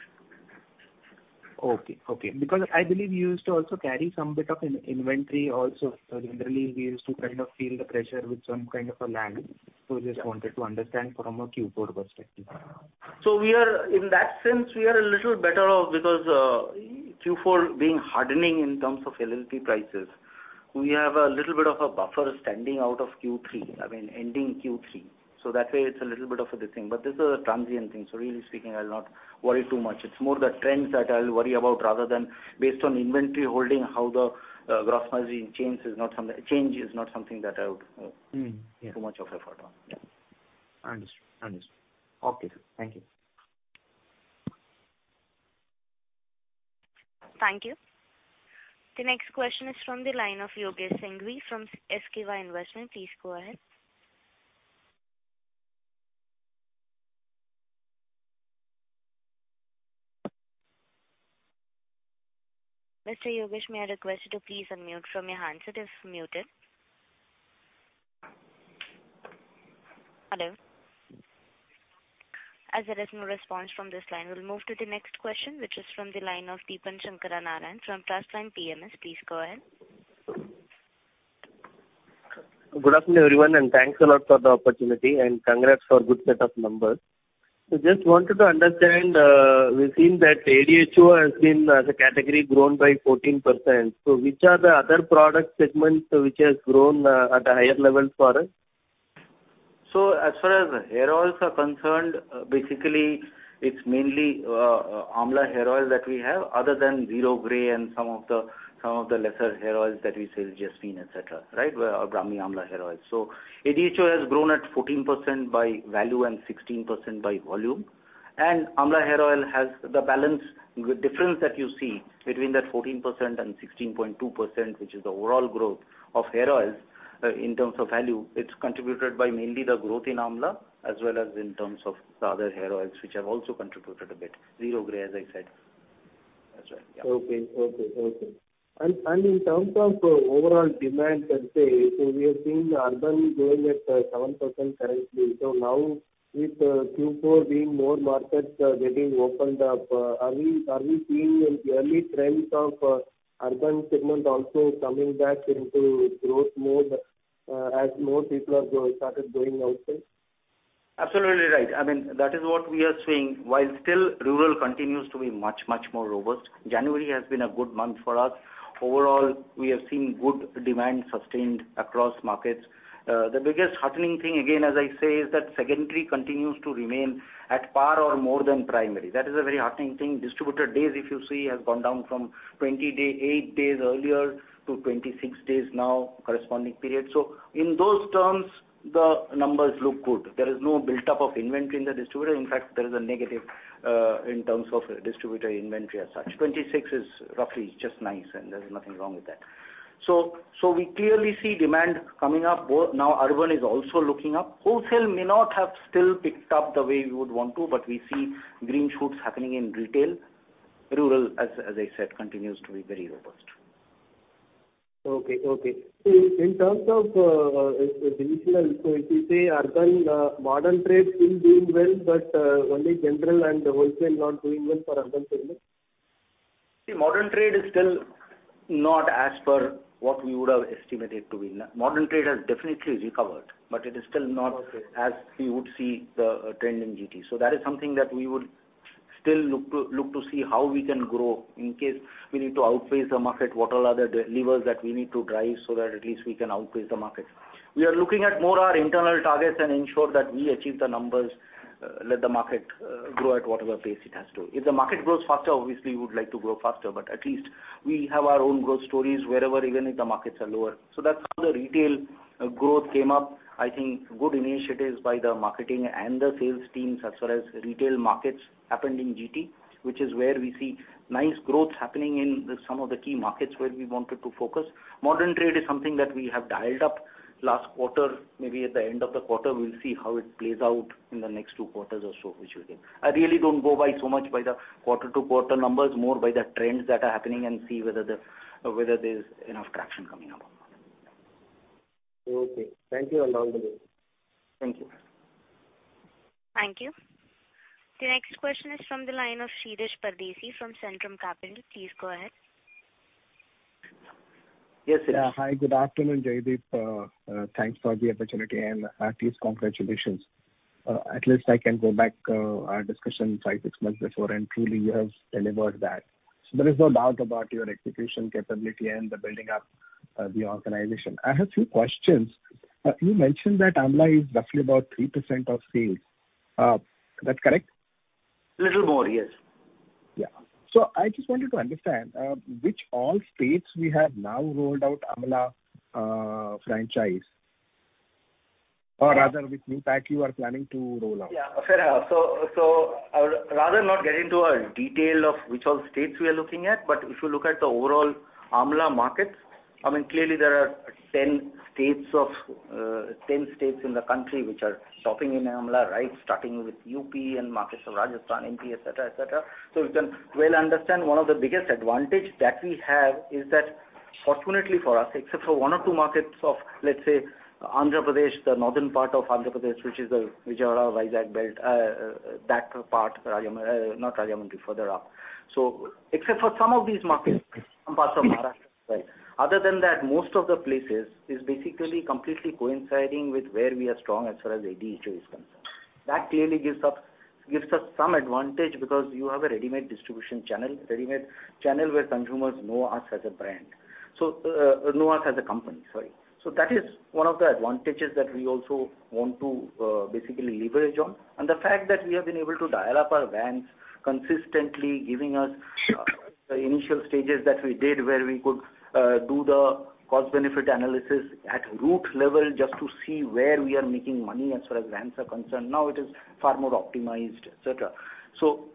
I believe you used to also carry some bit of inventory also. Generally, we used to kind of feel the pressure with some kind of a lag. Just wanted to understand from a Q4 perspective. In that sense, we are a little better off because Q4 being hardening in terms of LLP prices. We have a little bit of a buffer standing out of Q3, ending Q3. That way it's a little bit of a good thing, but this is a transient thing, so really speaking, I'll not worry too much. It's more the trends that I'll worry about rather than based on inventory holding, how the gross margin change is not something that I would put too much of effort on. Understood. Okay, sir. Thank you. Thank you. The next question is from the line of Yogesh Singhi from SKY Investments. Please go ahead. Mr. Yogesh, may I request you to please unmute from your handset. It's muted. Hello? As there is no response from this line, we'll move to the next question, which is from the line of Deepan Sankara Narayanan from Trustline PMS. Please go ahead. Good afternoon, everyone. Thanks a lot for the opportunity. Congrats for good set of numbers. Just wanted to understand, we've seen that ADHO has been, as a category, grown by 14%. Which are the other product segments which has grown at a higher level for us? As far as hair oils are concerned, basically it's mainly Amla Hair Oil that we have other than Zero Grey and some of the lesser hair oils that we sell, Jasmine, et cetera. Brahmi Amla Hair Oil. ADHO has grown at 14% by value and 16% by volume. Amla Hair Oil, the difference that you see between that 14% and 16.2%, which is the overall growth of hair oils, in terms of value, it's contributed by mainly the growth in Amla as well as in terms of the other hair oils, which have also contributed a bit. Zero Grey, as I said. Okay. In terms of overall demand, let's say, so we have seen urban growing at 7% currently. Now with Q4 being more markets getting opened up, are we seeing early trends of urban segment also coming back into growth mode as more people have started going outside? Absolutely right. That is what we are seeing. While still rural continues to be much, much more robust. January has been a good month for us. Overall, we have seen good demand sustained across markets. The biggest heartening thing again, as I say, is that secondary continues to remain at par or more than primary. That is a very heartening thing. Distributor days, if you see, has gone down from 28 days earlier to 26 days now, corresponding period. In those terms, the numbers look good. There is no buildup of inventory in the distributor. In fact, there is a negative, in terms of distributor inventory as such. 26 is roughly just nice, and there is nothing wrong with that. We clearly see demand coming up. Now urban is also looking up. Wholesale may not have still picked up the way we would want to, but we see green shoots happening in retail. Rural, as I said, continues to be very robust. Okay. If you say urban modern trade still doing well, but only general and wholesale not doing well for urban segment? Modern trade is still not as per what we would have estimated to be. Modern trade has definitely recovered, but it is still. Okay. As we would see the trend in GT. That is something that we would still look to see how we can grow in case we need to outpace the market, what are other levers that we need to drive so that at least we can outpace the market. We are looking at more our internal targets and ensure that we achieve the numbers, let the market grow at whatever pace it has to. If the market grows faster, obviously, we would like to grow faster, but at least we have our own growth stories wherever even if the markets are lower. That's how the retail growth came up. I think good initiatives by the marketing and the sales teams as far as retail markets happened in GT, which is where we see nice growth happening in some of the key markets where we wanted to focus. Modern trade is something that we have dialed up last quarter. Maybe at the end of the quarter, we'll see how it plays out in the next two quarters or so, visually. I really don't go by so much by the quarter-to-quarter numbers, more by the trends that are happening and see whether there's enough traction coming up or not. Okay. Thank you and have a good day. Thank you. Thank you. The next question is from the line of Shirish Pardeshi from Centrum Capital. Please go ahead. Yes, Shirish. Hi, good afternoon, Jaideep. Thanks for the opportunity and at least congratulations. At least I can go back our discussion five, six months before. Truly you have delivered that. There is no doubt about your execution capability and the building up of the organization. I have few questions. You mentioned that Amla is roughly about 3% of sales. Is that correct? Little more, yes. Yeah. I just wanted to understand, which all states we have now rolled out Amla franchise? Or rather, which new pack you are planning to roll out? Yeah. Fair. Rather not get into a detail of which all states we are looking at, but if you look at the overall Amla markets, clearly there are 10 states in the country which are strong in Amla. Starting with U.P. and markets of Rajasthan, M.P., et cetera. You can well understand one of the biggest advantage that we have is that fortunately for us, except for one or two markets of, let's say, Andhra Pradesh, the northern part of Andhra Pradesh, which is the Vijayawada, Vizag belt, that part, not Rajahmundry, further up. Except for some of these markets, some parts of Maharashtra, other than that, most of the places is basically completely coinciding with where we are strong as far as ADHO is concerned. That clearly gives us some advantage because you have a readymade distribution channel, readymade channel where consumers know us as a brand. Know us as a company, sorry. That is one of the advantages that we also want to basically leverage on. The fact that we have been able to dial up our vans consistently giving us the initial stages that we did, where we could do the cost benefit analysis at route level just to see where we are making money as far as vans are concerned. It is far more optimized, etc.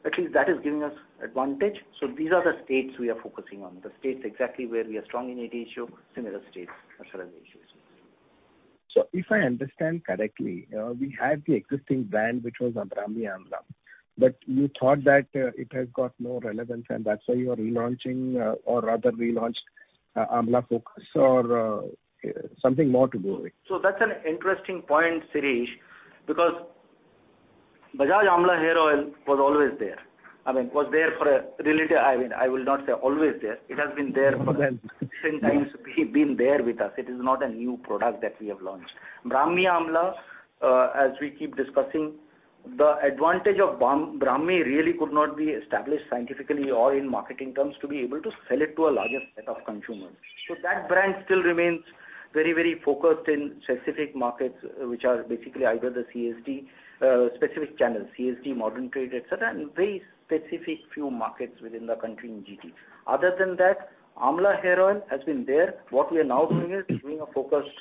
At least that is giving us advantage. These are the states we are focusing on, the states exactly where we are strong in ADHO, similar states as far as ADHO is concerned. If I understand correctly, we had the existing van, which was Brahmi Amla, but you thought that it has got no relevance and that's why you are relaunching or rather relaunched Bajaj Amla or something more to do with it. That's an interesting point, Shirish, because Bajaj Amla Hair Oil was always there. I will not say always there. It has been there for different times been there with us. It is not a new product that we have launched. Brahmi Amla, as we keep discussing, the advantage of Brahmi really could not be established scientifically or in marketing terms to be able to sell it to a larger set of consumers. That brand still remains very focused in specific markets, which are basically either the specific channels, CSD, modern trade, et cetera, and very specific few markets within the country in GT. Other than that, Amla Hair Oil has been there. What we are now doing is doing a focused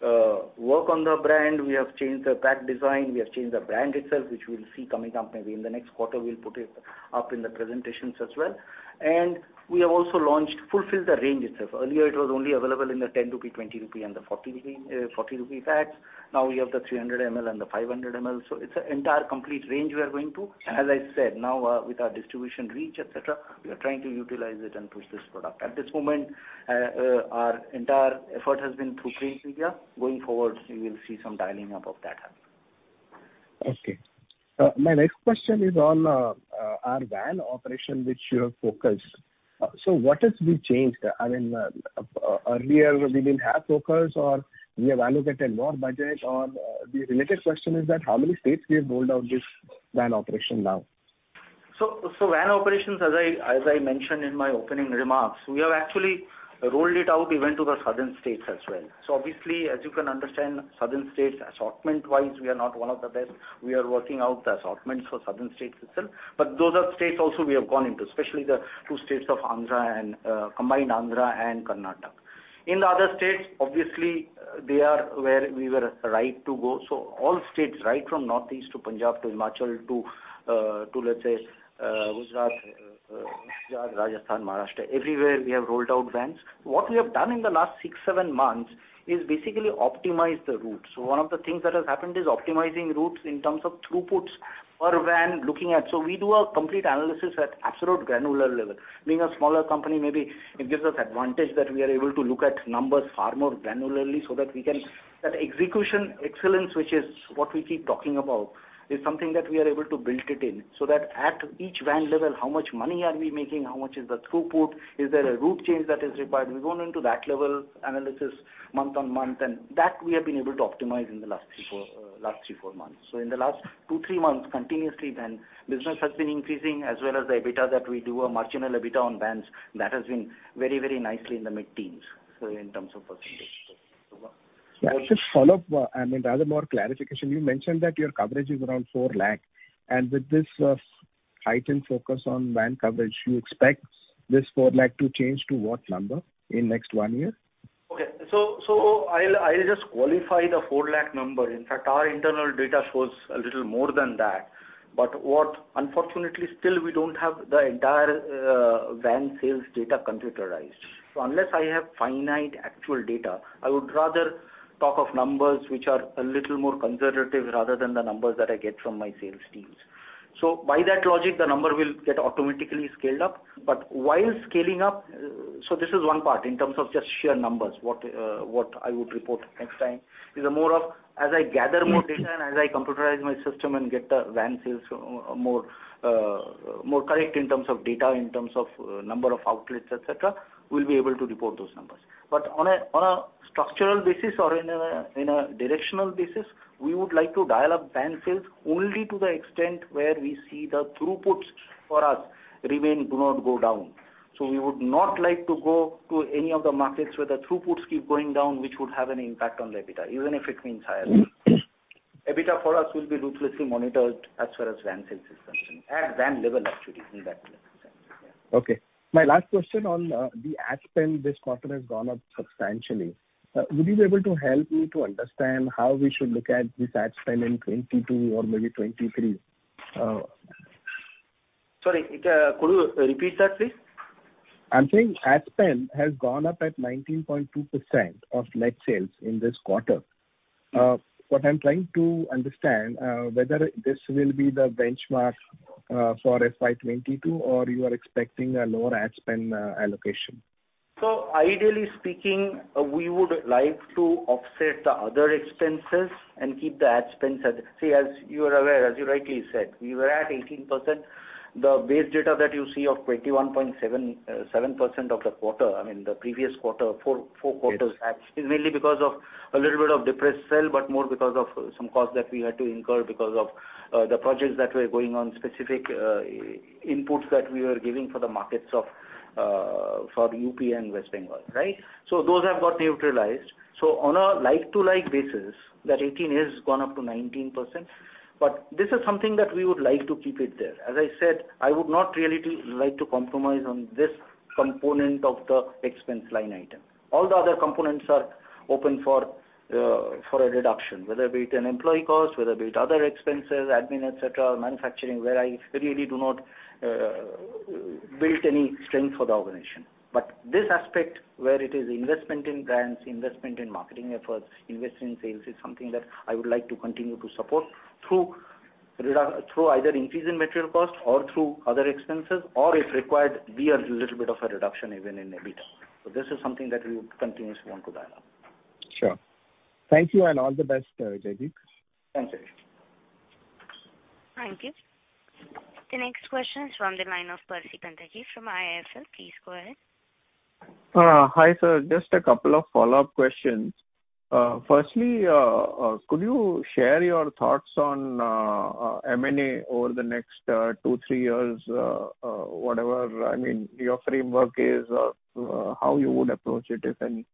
work on the brand. We have changed the pack design, we have changed the brand itself, which we'll see coming up maybe in the next quarter, we'll put it up in the presentations as well. We have also fulfilled the range itself. Earlier it was only available in the 10 rupee, 20 rupee, and the 40 rupee packs. Now we have the 300 ml and the 500 ml. It's an entire complete range we are going to. As I said, now with our distribution reach, et cetera, we are trying to utilize it and push this product. At this moment, our entire effort has been through green shoots. Going forward, you will see some dialing up of that happen. Okay. My next question is on our van operation, which you have focused. What has been changed? Earlier we didn't have focus, or we have allocated more budget, or the related question is that how many states we have rolled out this van operation now? Van operations, as I mentioned in my opening remarks, we have actually rolled it out even to the southern states as well. Obviously, as you can understand, southern states assortment-wise, we are not one of the best. We are working out the assortments for southern states itself. Those are states also we have gone into, especially the two states of combined Andhra and Karnataka. In the other states, obviously, they are where we were right to go. All states right from Northeast to Punjab to Himachal to let's say Gujarat, Rajasthan, Maharashtra, everywhere we have rolled out vans. What we have done in the last six, seven months is basically optimize the routes. One of the things that has happened is optimizing routes in terms of throughputs per van looking at. We do a complete analysis at absolute granular level. Being a smaller company, maybe it gives us advantage that we are able to look at numbers far more granularly, That execution excellence, which is what we keep talking about, is something that we are able to build it in, so that at each van level, how much money are we making, how much is the throughput? Is there a route change that is required? We've gone into that level analysis month on month, and that we have been able to optimize in the last three, four months. In the last two, three months, continuously van business has been increasing as well as the EBITDA that we do, a marginal EBITDA on vans that has been very nicely in the mid-teens, in terms of %. Just follow-up, I mean rather more clarification. You mentioned that your coverage is around 4 lakh. With this heightened focus on van coverage, you expect this 4 lakh to change to what number in next one year? Okay. I'll just qualify the 4 lakh number. In fact, our internal data shows a little more than that. Unfortunately, still we don't have the entire van sales data computerized. Unless I have finite actual data, I would rather talk of numbers which are a little more conservative rather than the numbers that I get from my sales teams. By that logic, the number will get automatically scaled up. While scaling up, this is one part in terms of just sheer numbers what I would report next time is more of as I gather more data and as I computerize my system and get the van sales more correct in terms of data, in terms of number of outlets, et cetera, we'll be able to report those numbers. On a structural basis or in a directional basis, we would like to dial up van sales only to the extent where we see the throughputs for us remain do not go down. We would not like to go to any of the markets where the throughputs keep going down, which would have an impact on the EBITDA, even if it means higher. EBITDA for us will be ruthlessly monitored as far as van sales is concerned, at van level actually in that sense. Yeah. Okay. My last question on the ad spend this quarter has gone up substantially. Would you be able to help me to understand how we should look at this ad spend in FY 2022 or maybe FY 2023? Sorry. Could you repeat that, please? I'm saying ad spend has gone up at 19.2% of net sales in this quarter. What I'm trying to understand whether this will be the benchmark for FY 2022 or you are expecting a lower ad spend allocation? Ideally speaking, we would like to offset the other expenses and keep the ad spend separate. As you are aware, as you rightly said, we were at 18%. The base data that you see of 21.7% of the quarter, I mean, the previous quarter, four quarters back, is mainly because of a little bit of depressed sales, but more because of some costs that we had to incur because of the projects that were going on, specific inputs that we were giving for the markets for U.P. and West Bengal. Those have got neutralized. On a like-to-like basis, that 18% has gone up to 19%, but this is something that we would like to keep it there. As I said, I would not really like to compromise on this component of the expense line item. All the other components are open for a reduction, whether be it an employee cost, whether be it other expenses, admin, et cetera, manufacturing, where I really do not build any strength for the organization. This aspect, where it is investment in brands, investment in marketing efforts, investment in sales is something that I would like to continue to support through either increase in material cost or through other expenses, or if required, be a little bit of a reduction even in EBITDA. This is something that we would continuously want to dial up. Sure. Thank you, and all the best, Jaideep. Thanks, Ajay. Thank you. The next question is from the line of Percy Panthaki from IIFL. Please go ahead. Hi, sir. Just a couple of follow-up questions. Firstly, could you share your thoughts on M&A over the next two, three years, whatever your framework is, how you would approach it, if any?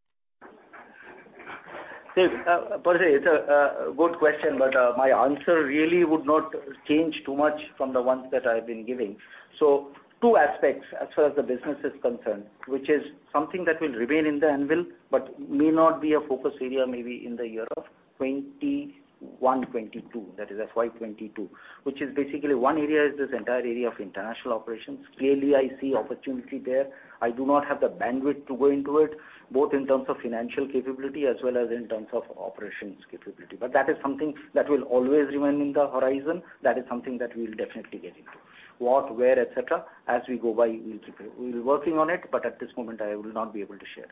Percy, it's a good question, but my answer really would not change too much from the ones that I've been giving. Two aspects as far as the business is concerned, which is something that will remain in the anvil but may not be a focus area maybe in the year of 2021, 2022, that is FY 2022, which is basically one area is this entire area of international operations. Clearly, I see opportunity there. I do not have the bandwidth to go into it, both in terms of financial capability as well as in terms of operations capability. That is something that will always remain in the horizon. That is something that we'll definitely get into. What, where, et cetera, as we go by, we'll keep working on it, at this moment, I will not be able to share.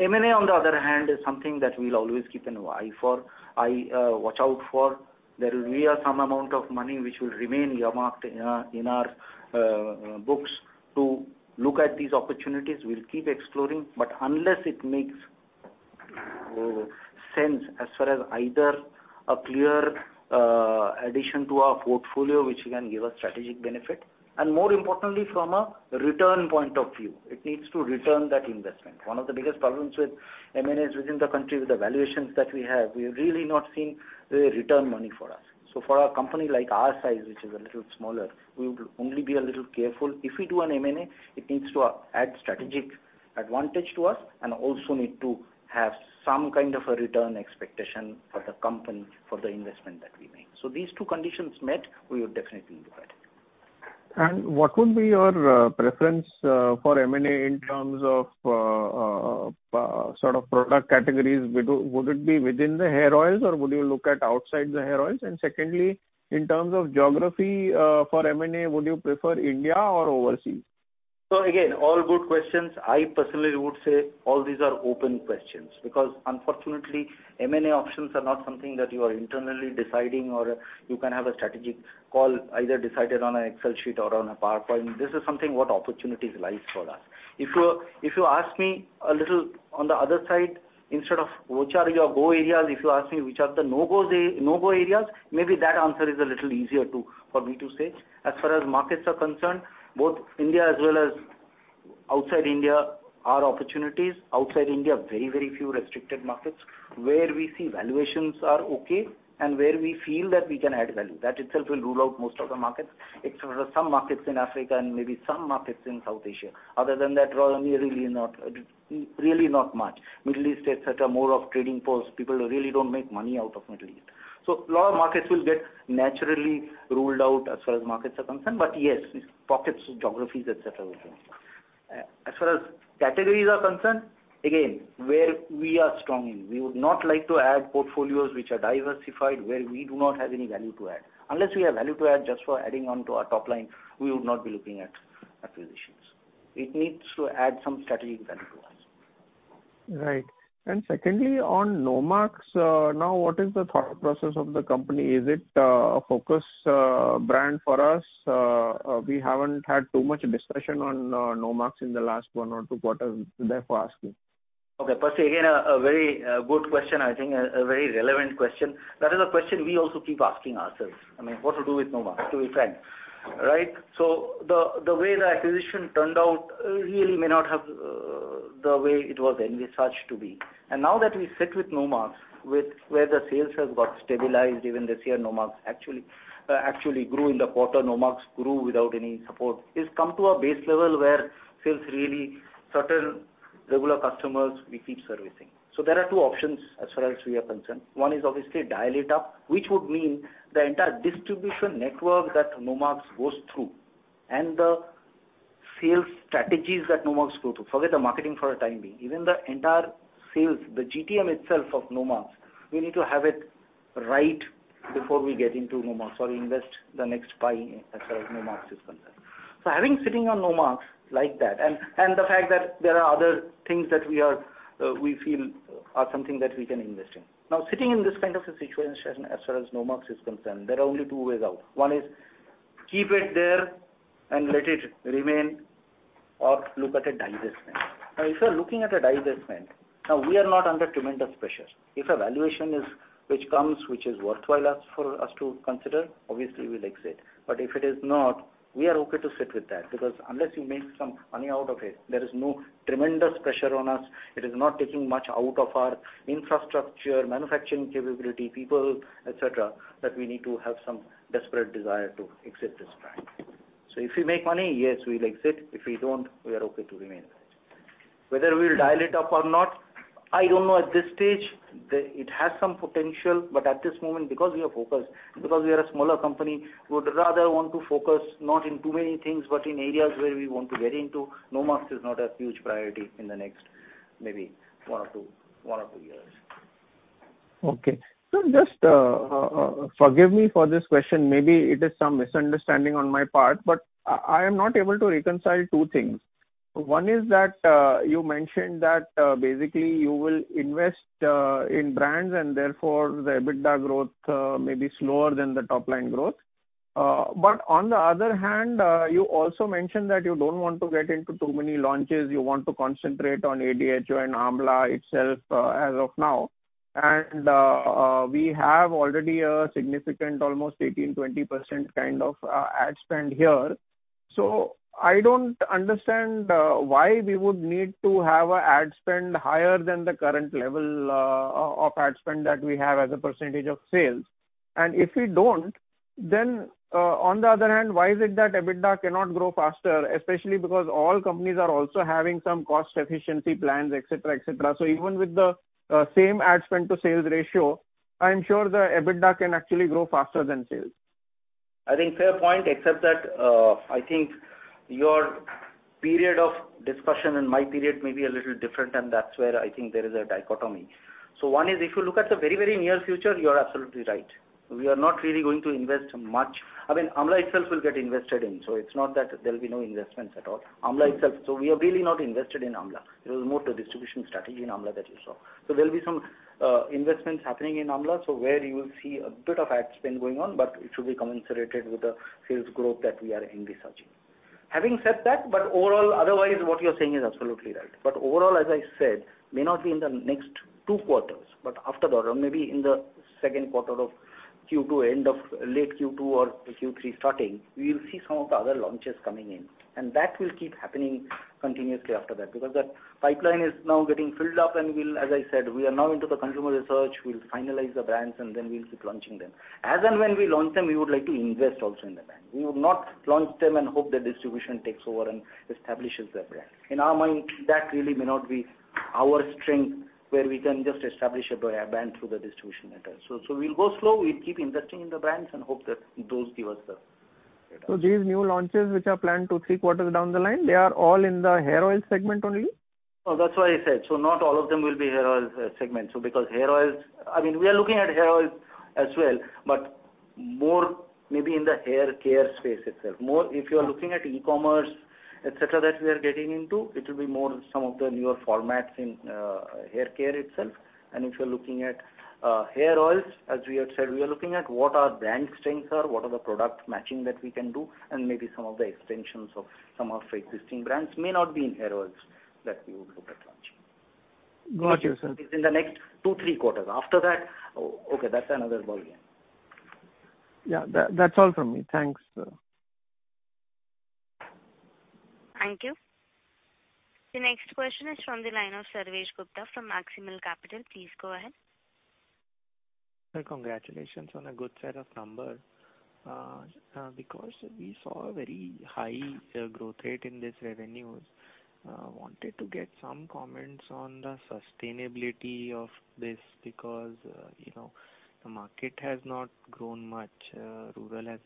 M&A, on the other hand, is something that we'll always keep an eye for, watch out for. There will be some amount of money which will remain earmarked in our books to look at these opportunities. We'll keep exploring, but unless it makes sense as far as either a clear addition to our portfolio, which can give us strategic benefit, and more importantly, from a return point of view. It needs to return that investment. One of the biggest problems with M&As within the country with the valuations that we have, we've really not seen the return money for us. For a company like our size, which is a little smaller, we would only be a little careful. If we do an M&A, it needs to add strategic advantage to us and also need to have some kind of a return expectation for the company for the investment that we make. These two conditions met, we would definitely look at it. What would be your preference for M&A in terms of product categories? Would it be within the hair oils, or would you look at outside the hair oils? Secondly, in terms of geography, for M&A, would you prefer India or overseas? Again, all good questions. I personally would say all these are open questions because unfortunately, M&A options are not something that you are internally deciding or you can have a strategic call either decided on an Excel sheet or on a PowerPoint. This is something what opportunities lies for us. If you ask me a little on the other side, instead of which are your go areas, if you ask me which are the no-go areas, maybe that answer is a little easier for me to say. As far as markets are concerned, both India as well as outside India are opportunities. Outside India, very few restricted markets where we see valuations are okay and where we feel that we can add value. That itself will rule out most of the markets except for some markets in Africa and maybe some markets in South Asia. Other than that, really not much. Middle East, et cetera, more of trading posts. People really don't make money out of Middle East. A lot of markets will get naturally ruled out as far as markets are concerned. Yes, pockets of geographies, et cetera. As far as categories are concerned, again, where we are strong in. We would not like to add portfolios which are diversified where we do not have any value to add. Unless we have value to add just for adding on to our top line, we would not be looking at acquisitions. It needs to add some strategic value to us. Right. Secondly, on Nomarks, now what is the thought process of the company? Is it a focus brand for us? We haven't had too much discussion on Nomarks in the last one or two quarters, therefore asking. Okay. Percy, again, a very good question, I think a very relevant question. That is a question we also keep asking ourselves. I mean, what to do with Nomarks, to be frank. The way the acquisition turned out really may not have the way it was envisaged to be. Now that we sit with Nomarks, where the sales has got stabilized, even this year, Nomarks actually grew in the quarter. Nomarks grew without any support. It's come to a base level where sales really certain regular customers we keep servicing. There are two options as far as we are concerned. One is obviously dial it up, which would mean the entire distribution network that Nomarks goes through and the sales strategies that Nomarks go through. Forget the marketing for a time being. Even the entire sales, the GTM itself of Nomarks, we need to have it right before we get into Nomarks or invest the next pie as far as Nomarks is concerned. Having sitting on Nomarks like that, and the fact that there are other things that we feel are something that we can invest in. Sitting in this kind of a situation as far as Nomarks is concerned, there are only two ways out. One is keep it there and let it remain, or look at a divestment. If you're looking at a divestment, now we are not under tremendous pressure. If a valuation which comes, which is worthwhile for us to consider, obviously we'll exit. If it is not, we are okay to sit with that, because unless you make some money out of it, there is no tremendous pressure on us. It is not taking much out of our infrastructure, manufacturing capability, people, et cetera, that we need to have some desperate desire to exit this brand. If we make money, yes, we'll exit. If we don't, we are okay to remain. Whether we'll dial it up or not, I don't know at this stage. At this moment, because we are focused, because we are a smaller company, we would rather want to focus not in too many things, but in areas where we want to get into. Nomarks is not a huge priority in the next maybe one or two years. Okay. Sir, just forgive me for this question. Maybe it is some misunderstanding on my part, but I am not able to reconcile two things. One is that you mentioned that basically you will invest in brands and therefore the EBITDA growth may be slower than the top-line growth. On the other hand, you also mentioned that you don't want to get into too many launches. You want to concentrate on ADHO and Amla itself as of now. We have already a significant almost 18%, 20% kind of ad spend here. I don't understand why we would need to have ad spend higher than the current level of ad spend that we have as a percentage of sales. If we don't, then on the other hand, why is it that EBITDA cannot grow faster? Especially because all companies are also having some cost efficiency plans, et cetera. Even with the same ad spend to sales ratio, I'm sure the EBITDA can actually grow faster than sales. I think fair point, except that I think your period of discussion and my period may be a little different, and that's where I think there is a dichotomy. One is, if you look at the very near future, you're absolutely right. We are not really going to invest much. I mean, Amla itself will get invested in. It's not that there'll be no investments at all. We are really not invested in Amla. It was more the distribution strategy in Amla that you saw. There'll be some investments happening in Amla, so where you will see a bit of ad spend going on, but it should be commensurated with the sales growth that we are envisaging. Having said that, overall, otherwise what you're saying is absolutely right. Overall, as I said, may not be in the next two quarters, but after that, or maybe in the 2nd quarter of Q2, end of late Q2 or Q3 starting, we'll see some of the other launches coming in, and that will keep happening continuously after that, because the pipeline is now getting filled up and we'll, as I said, we are now into the consumer research. We'll finalize the brands, then we'll keep launching them. As and when we launch them, we would like to invest also in the brand. We would not launch them and hope the distribution takes over and establishes the brand. In our mind, that really may not be our strength where we can just establish a brand through the distribution network. We'll go slow. We'll keep investing in the brands and hope that those give us the data. These new launches, which are planned two, three quarters down the line, they are all in the hair oil segment only? That's why I said, not all of them will be hair oils segment. I mean, we are looking at hair oils as well, but more maybe in the hair care space itself. If you're looking at e-commerce, et cetera, that we are getting into, it will be more some of the newer formats in hair care itself. If you're looking at hair oils, as we have said, we are looking at what our brand strengths are, what are the product matching that we can do, and maybe some of the extensions of some of our existing brands may not be in hair oils that we would look at launching. Got you, sir. It's in the next two, three quarters. After that, okay, that's another ball game. That's all from me. Thanks. Thank you. The next question is from the line of Sarvesh Gupta from Maximal Capital. Please go ahead. Hi. Congratulations on a good set of numbers. We saw a very high growth rate in this revenue, I wanted to get some comments on the sustainability of this because the market has not grown much. Rural has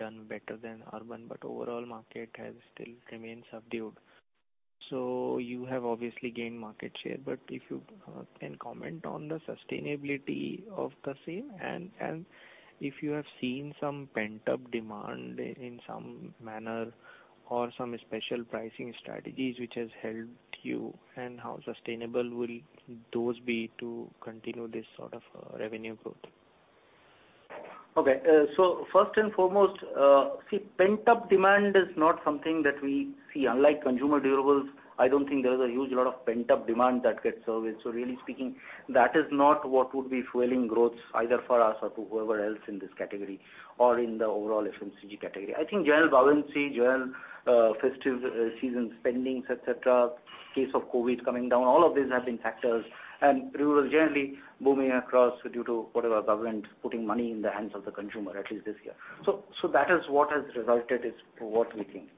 done better than urban, overall market has still remained subdued. You have obviously gained market share, but if you can comment on the sustainability of the same and if you have seen some pent-up demand in some manner or some special pricing strategies which has helped you, and how sustainable will those be to continue this sort of revenue growth? First and foremost, see, pent-up demand is not something that we see. Unlike consumer durables, I don't think there is a huge lot of pent-up demand that gets serviced. Really speaking, that is not what would be fueling growth either for us or to whoever else in this category or in the overall FMCG category. I think general buoyancy, general festive season spendings, et cetera, case of COVID coming down, all of these have been factors, and rural is generally booming across due to whatever government putting money in the hands of the consumer, at least this year. That is what has resulted is what we think.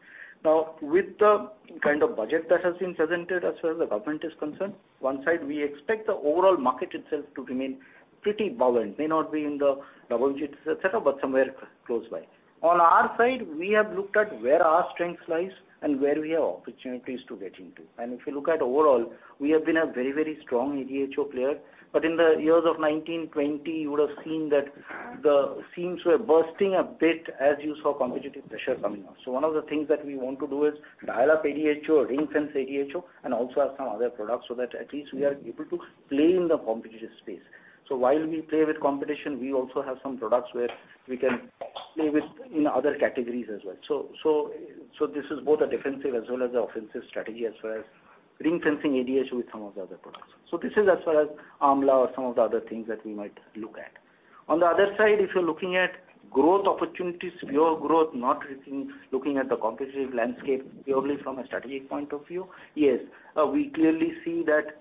With the kind of budget that has been presented as far as the government is concerned, one side, we expect the overall market itself to remain pretty buoyant. May not be in the double digits, et cetera, but somewhere close by. On our side, we have looked at where our strengths lie and where we have opportunities to get into. If you look at overall, we have been a very strong ADHO player. In the years of 2019, 2020, you would've seen that the seams were bursting a bit as you saw competitive pressure coming up. One of the things that we want to do is dial up ADHO or enhance ADHO, and also have some other products so that at least we are able to play in the competitive space. While we play with competition, we also have some products where we can play with in other categories as well. This is both a defensive as well as the offensive strategy as far as ring-fencing ADHO with some of the other products. This is as far as Amla or some of the other things that we might look at. On the other side, if you're looking at growth opportunities, pure growth, not looking at the competitive landscape purely from a strategic point of view, yes. We clearly see that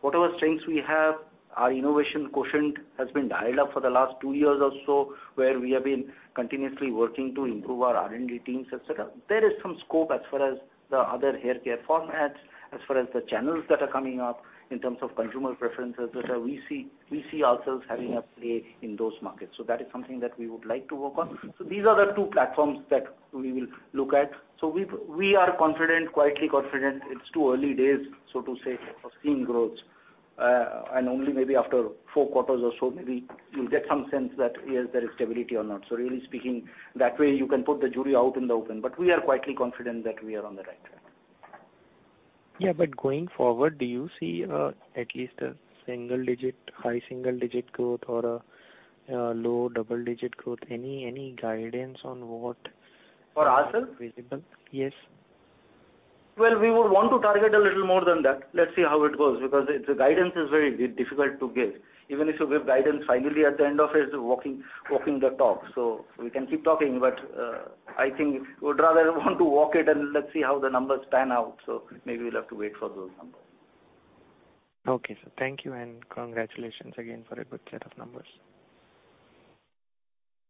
whatever strengths we have, our innovation quotient has been dialed up for the last two years or so where we have been continuously working to improve our R&D teams, et cetera. There is some scope as far as the other haircare formats, as far as the channels that are coming up in terms of consumer preferences, that we see ourselves having a play in those markets. That is something that we would like to work on. These are the two platforms that we will look at. We are confident, quietly confident, it's too early days, so to say, for seeing growth. Only maybe after four quarters or so maybe you'll get some sense that, yes, there is stability or not. Really speaking, that way you can put the jury out in the open, but we are quietly confident that we are on the right track. Yeah, going forward, do you see at least a high single-digit growth or a low double-digit growth? Any guidance on what. For ourselves? Is visible? Yes. Well, we would want to target a little more than that. Let's see how it goes, because the guidance is very difficult to give. Even if you give guidance finally at the end of it's walking the talk. We can keep talking, but, I think we'd rather want to walk it and let's see how the numbers pan out. Maybe we'll have to wait for those numbers. Okay, sir. Thank you, and congratulations again for a good set of numbers.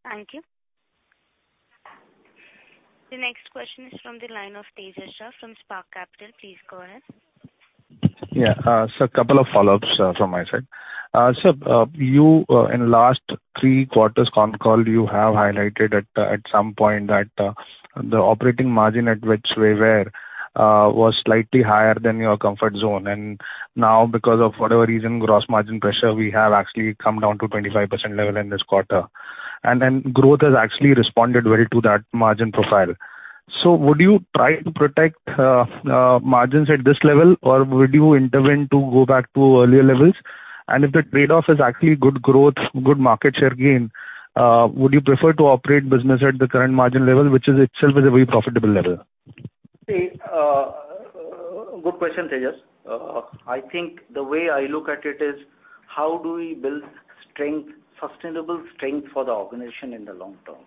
Thank you. The next question is from the line of Tejas Shah from Spark Capital. Please go ahead. Yeah. A couple of follow-ups from my side. Sir, in last three quarters conf call, you have highlighted at some point that the operating margin at which we were was slightly higher than your comfort zone. Now because of whatever reason, gross margin pressure, we have actually come down to 25% level in this quarter. Growth has actually responded well to that margin profile. Would you try to protect margins at this level, or would you intervene to go back to earlier levels? If the trade-off is actually good growth, good market share gain, would you prefer to operate business at the current margin level, which is itself is a very profitable level? Good question, Tejas. I think the way I look at it is, how do we build sustainable strength for the organization in the long term?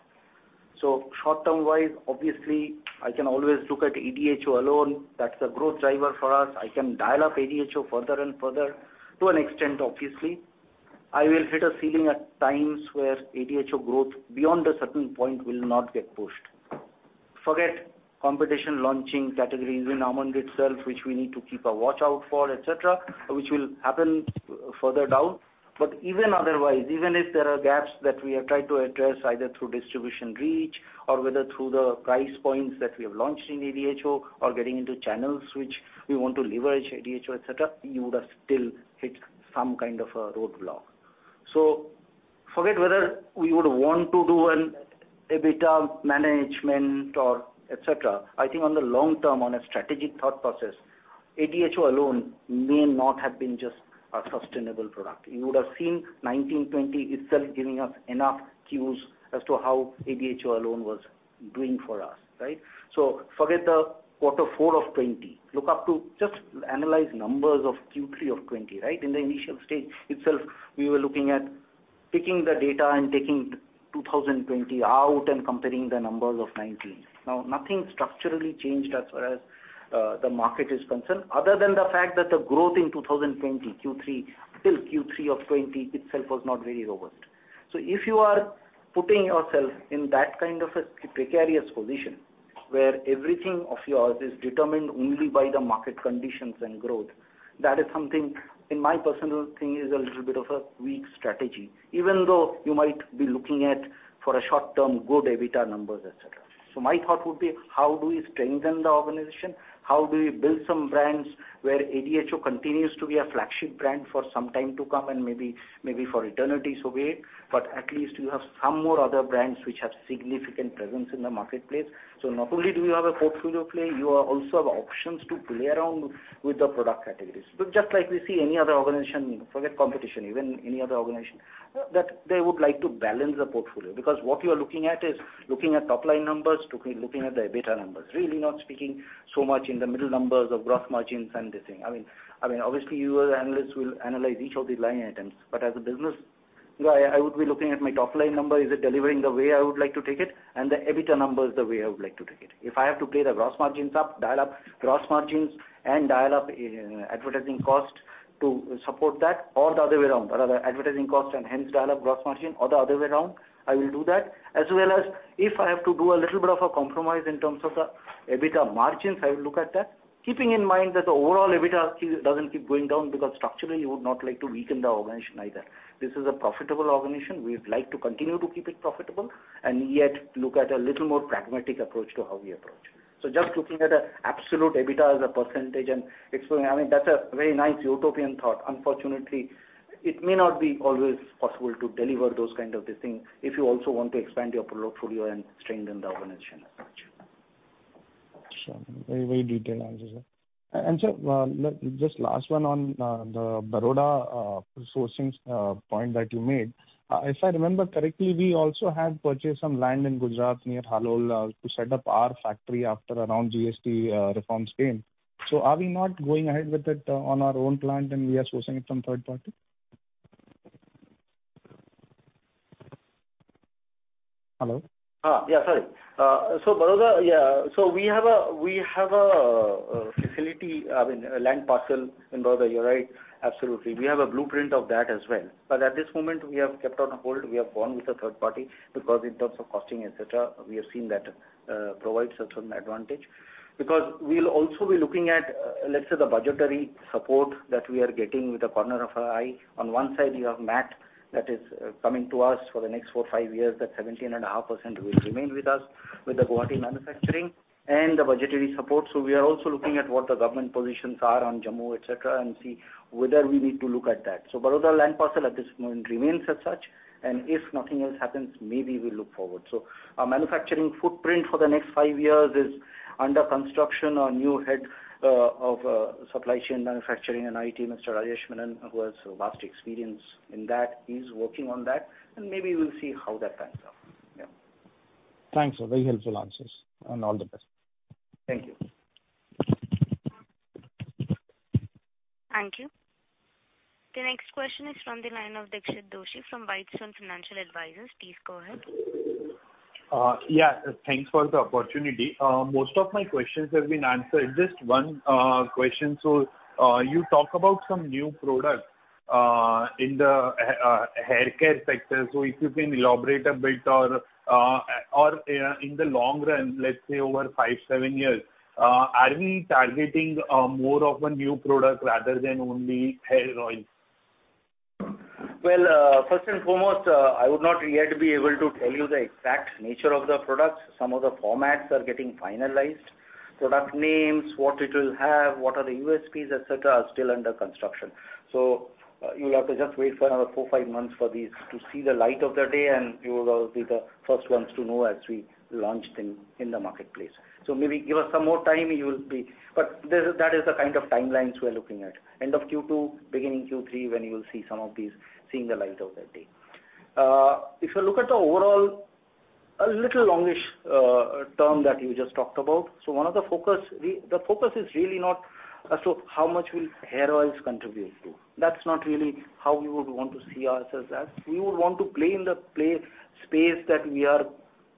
Short term wise, obviously, I can always look at ADHO alone. That's a growth driver for us. I can dial up ADHO further and further to an extent, obviously. I will hit a ceiling at times where ADHO growth beyond a certain point will not get pushed. Forget competition launching categories in Amla itself, which we need to keep a watch out for, et cetera, which will happen further down. Even otherwise, even if there are gaps that we are trying to address either through distribution reach or whether through the price points that we have launched in ADHO or getting into channels which we want to leverage ADHO, et cetera, you would have still hit some kind of a roadblock. Forget whether we would want to do an EBITDA management or et cetera. I think on the long term, on a strategic thought process, ADHO alone may not have been just a sustainable product. You would have seen 2019/2020 itself giving us enough cues as to how ADHO alone was doing for us, right? Forget the quarter four of 2020. Look up to just analyze numbers of Q3 of 2020, right? In the initial stage itself, we were looking at taking the data and taking 2020 out and comparing the numbers of 2019. Nothing structurally changed as far as the market is concerned, other than the fact that the growth in 2020, Q3, still Q3 of 2020 itself was not very robust. If you are putting yourself in that kind of a precarious position where everything of yours is determined only by the market conditions and growth, that is something in my personal thing is a little bit of a weak strategy, even though you might be looking at, for a short term, good EBITDA numbers, et cetera. My thought would be, how do we strengthen the organization? How do we build some brands where ADHO continues to be a flagship brand for some time to come and maybe for eternity? At least you have some more other brands which have significant presence in the marketplace. Not only do you have a portfolio play, you also have options to play around with the product categories. Look, just like we see any other organization, forget competition, even any other organization, that they would like to balance the portfolio. What you are looking at is looking at top-line numbers, looking at the EBITDA numbers. Not speaking so much in the middle numbers of gross margins and this thing. Obviously, you as analysts will analyze each of these line items. As a business, I would be looking at my top-line number, is it delivering the way I would like to take it? The EBITDA numbers the way I would like to take it. If I have to play the gross margins up, dial up gross margins, and dial up advertising cost to support that or the other way around, or rather advertising cost and hence dial up gross margin or the other way around, I will do that. If I have to do a little bit of a compromise in terms of the EBITDA margins, I will look at that. Keeping in mind that the overall EBITDA doesn't keep going down because structurally, you would not like to weaken the organization either. This is a profitable organization. We would like to continue to keep it profitable, and yet look at a little more pragmatic approach to how we approach. Just looking at absolute EBITDA as a % and exploring, that's a very nice utopian thought. Unfortunately, it may not be always possible to deliver those kind of things if you also want to expand your portfolio and strengthen the organization. Sure. Very detailed answers. Sir, just last one on the Baroda sourcing point that you made. If I remember correctly, we also had purchased some land in Gujarat near Halol to set up our factory after around GST reforms came. Are we not going ahead with it on our own plant and we are sourcing it from third party? Hello? Yeah, sorry. Baroda, we have a facility, a land parcel in Baroda. You're right, absolutely. We have a blueprint of that as well. At this moment, we have kept on hold. We have gone with a third party because in terms of costing, et cetera, we have seen that provides a certain advantage. Because we'll also be looking at, let's say, the budgetary support that we are getting with the corner of our eye. On one side, you have MAT that is coming to us for the next four, five years. That 17.5% will remain with us with the Guwahati manufacturing and the budgetary support. We are also looking at what the government positions are on Jammu, et cetera, and see whether we need to look at that. Baroda land parcel at this moment remains as such, and if nothing else happens, maybe we'll look forward. Our manufacturing footprint for the next five years is under construction. Our new Head of Supply Chain, Manufacturing and IT, Mr. Rajesh Menon, who has vast experience in that, is working on that, and maybe we'll see how that pans out. Thanks, sir. Very helpful answers. All the best. Thank you. Thank you. The next question is from the line of Dixit Doshi from Whitestone Financial Advisors. Please go ahead. Yeah, thanks for the opportunity. Most of my questions have been answered. Just one question. You talk about some new products in the haircare sector. If you can elaborate a bit or, in the long run, let's say over five, seven years, are we targeting more of a new product rather than only hair oil? First and foremost, I would not yet be able to tell you the exact nature of the products. Some of the formats are getting finalized. Product names, what it will have, what are the USPs, et cetera, are still under construction. You'll have to just wait for another four, five months for these to see the light of the day, and you will be the first ones to know as we launch them in the marketplace. Maybe give us some more time. That is the kind of timelines we're looking at. End of Q2, beginning Q3, when you will see some of these seeing the light of the day. If you look at the overall, a little longish term that you just talked about, the focus is really not how much will hair oils contribute to. That's not really how we would want to see ourselves as. We would want to play in the space that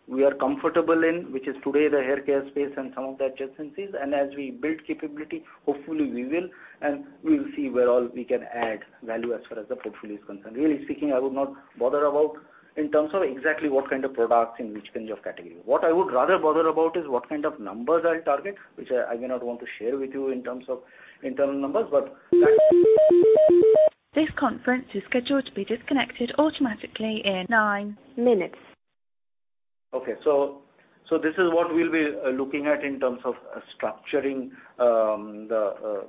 we are comfortable in, which is today the haircare space and some of the adjacencies. As we build capability, hopefully we will, and we will see where all we can add value as far as the portfolio is concerned. Really speaking, I would not bother about in terms of exactly what kind of products in which kinds of category. What I would rather bother about is what kind of numbers I target, which I may not want to share with you in terms of internal numbers. Okay. This is what we'll be looking at in terms of structuring the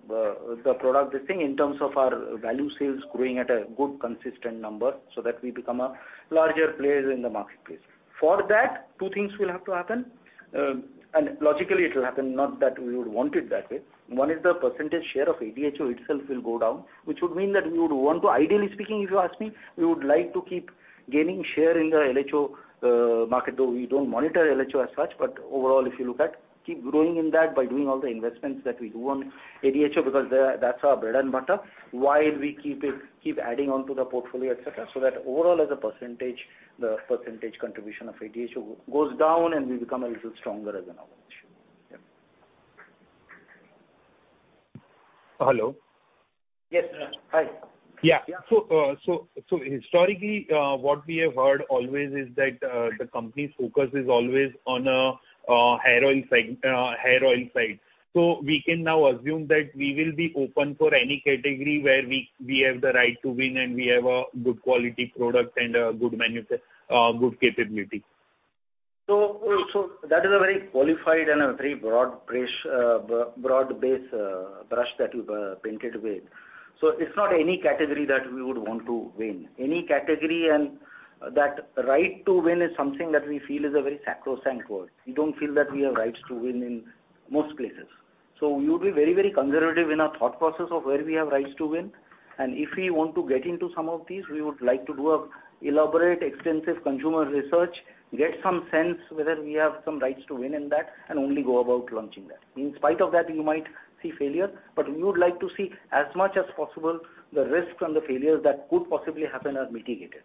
product, this thing, in terms of our value sales growing at a good, consistent number so that we become a larger player in the marketplace. For that, two things will have to happen, and logically it will happen, not that we would want it that way. One is the % share of ADHO itself will go down, which would mean that we would want to Ideally speaking, if you ask me, we would like to keep gaining share in the LHO market, though we don't monitor LHO as such. Overall, if you look at keep growing in that by doing all the investments that we do on ADHO because that's our bread and butter while we keep adding on to the portfolio, et cetera. That overall as a %, the % contribution of ADHO goes down and we become a little stronger as an organization. Hello? Yes. Hi. Yeah. Historically, what we have heard always is that the company's focus is always on hair oil side. We can now assume that we will be open for any category where we have the right to win and we have a good quality product and a good capability. That is a very qualified and a very broad-base brush that you've painted with. It's not any category that we would want to win. Any category and that right to win is something that we feel is a very sacrosanct word. We don't feel that we have rights to win in most places. We would be very conservative in our thought process of where we have rights to win. If we want to get into some of these, we would like to do an elaborate, extensive consumer research, get some sense whether we have some rights to win in that, and only go about launching that. In spite of that, you might see failure, but we would like to see as much as possible the risks and the failures that could possibly happen are mitigated.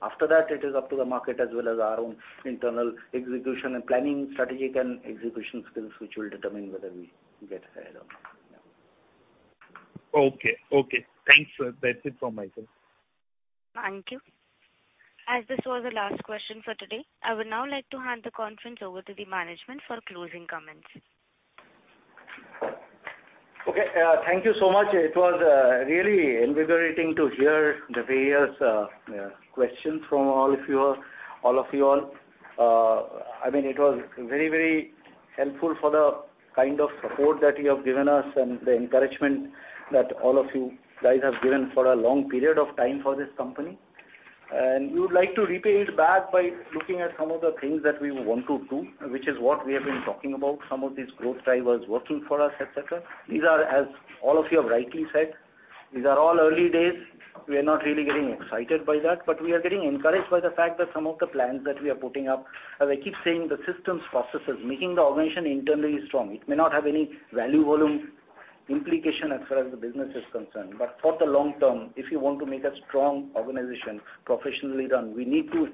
After that, it is up to the market as well as our own internal execution and planning strategic and execution skills, which will determine whether we get ahead or not. Yeah. Okay. Thanks, sir. That's it from my side. Thank you. As this was the last question for today, I would now like to hand the conference over to the management for closing comments. Okay. Thank you so much. It was really invigorating to hear the various questions from all of you all. It was very helpful for the kind of support that you have given us and the encouragement that all of you guys have given for a long period of time for this company. We would like to repay it back by looking at some of the things that we want to do, which is what we have been talking about, some of these growth drivers working for us, et cetera. These are, as all of you have rightly said, these are all early days. We are not really getting excited by that, but we are getting encouraged by the fact that some of the plans that we are putting up, as I keep saying, the systems, processes, making the organization internally strong. It may not have any value-volume implication as far as the business is concerned, but for the long term, if you want to make a strong organization professionally run, we need to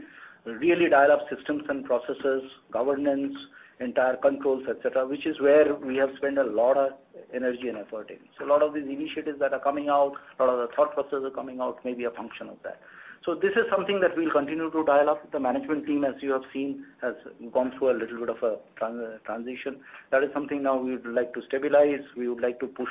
really dial up systems and processes, governance, entire controls, et cetera, which is where we have spent a lot of energy and effort in. A lot of these initiatives that are coming out, a lot of the thought processes are coming out, may be a function of that. This is something that we'll continue to dial up with the management team, as you have seen, has gone through a little bit of a transition. That is something now we would like to stabilize. We would like to push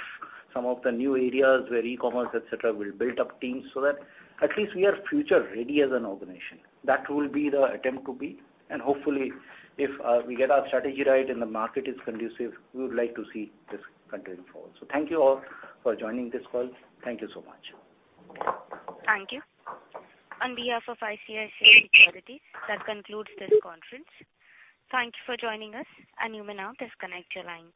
some of the new areas where e-commerce, et cetera, will build up teams so that at least we are future-ready as an organization. That will be the attempt to be. Hopefully, if we get our strategy right and the market is conducive, we would like to see this continue forward. Thank you all for joining this call. Thank you so much. Thank you. On behalf of ICICI Securities, that concludes this conference. Thank you for joining us, and you may now disconnect your lines.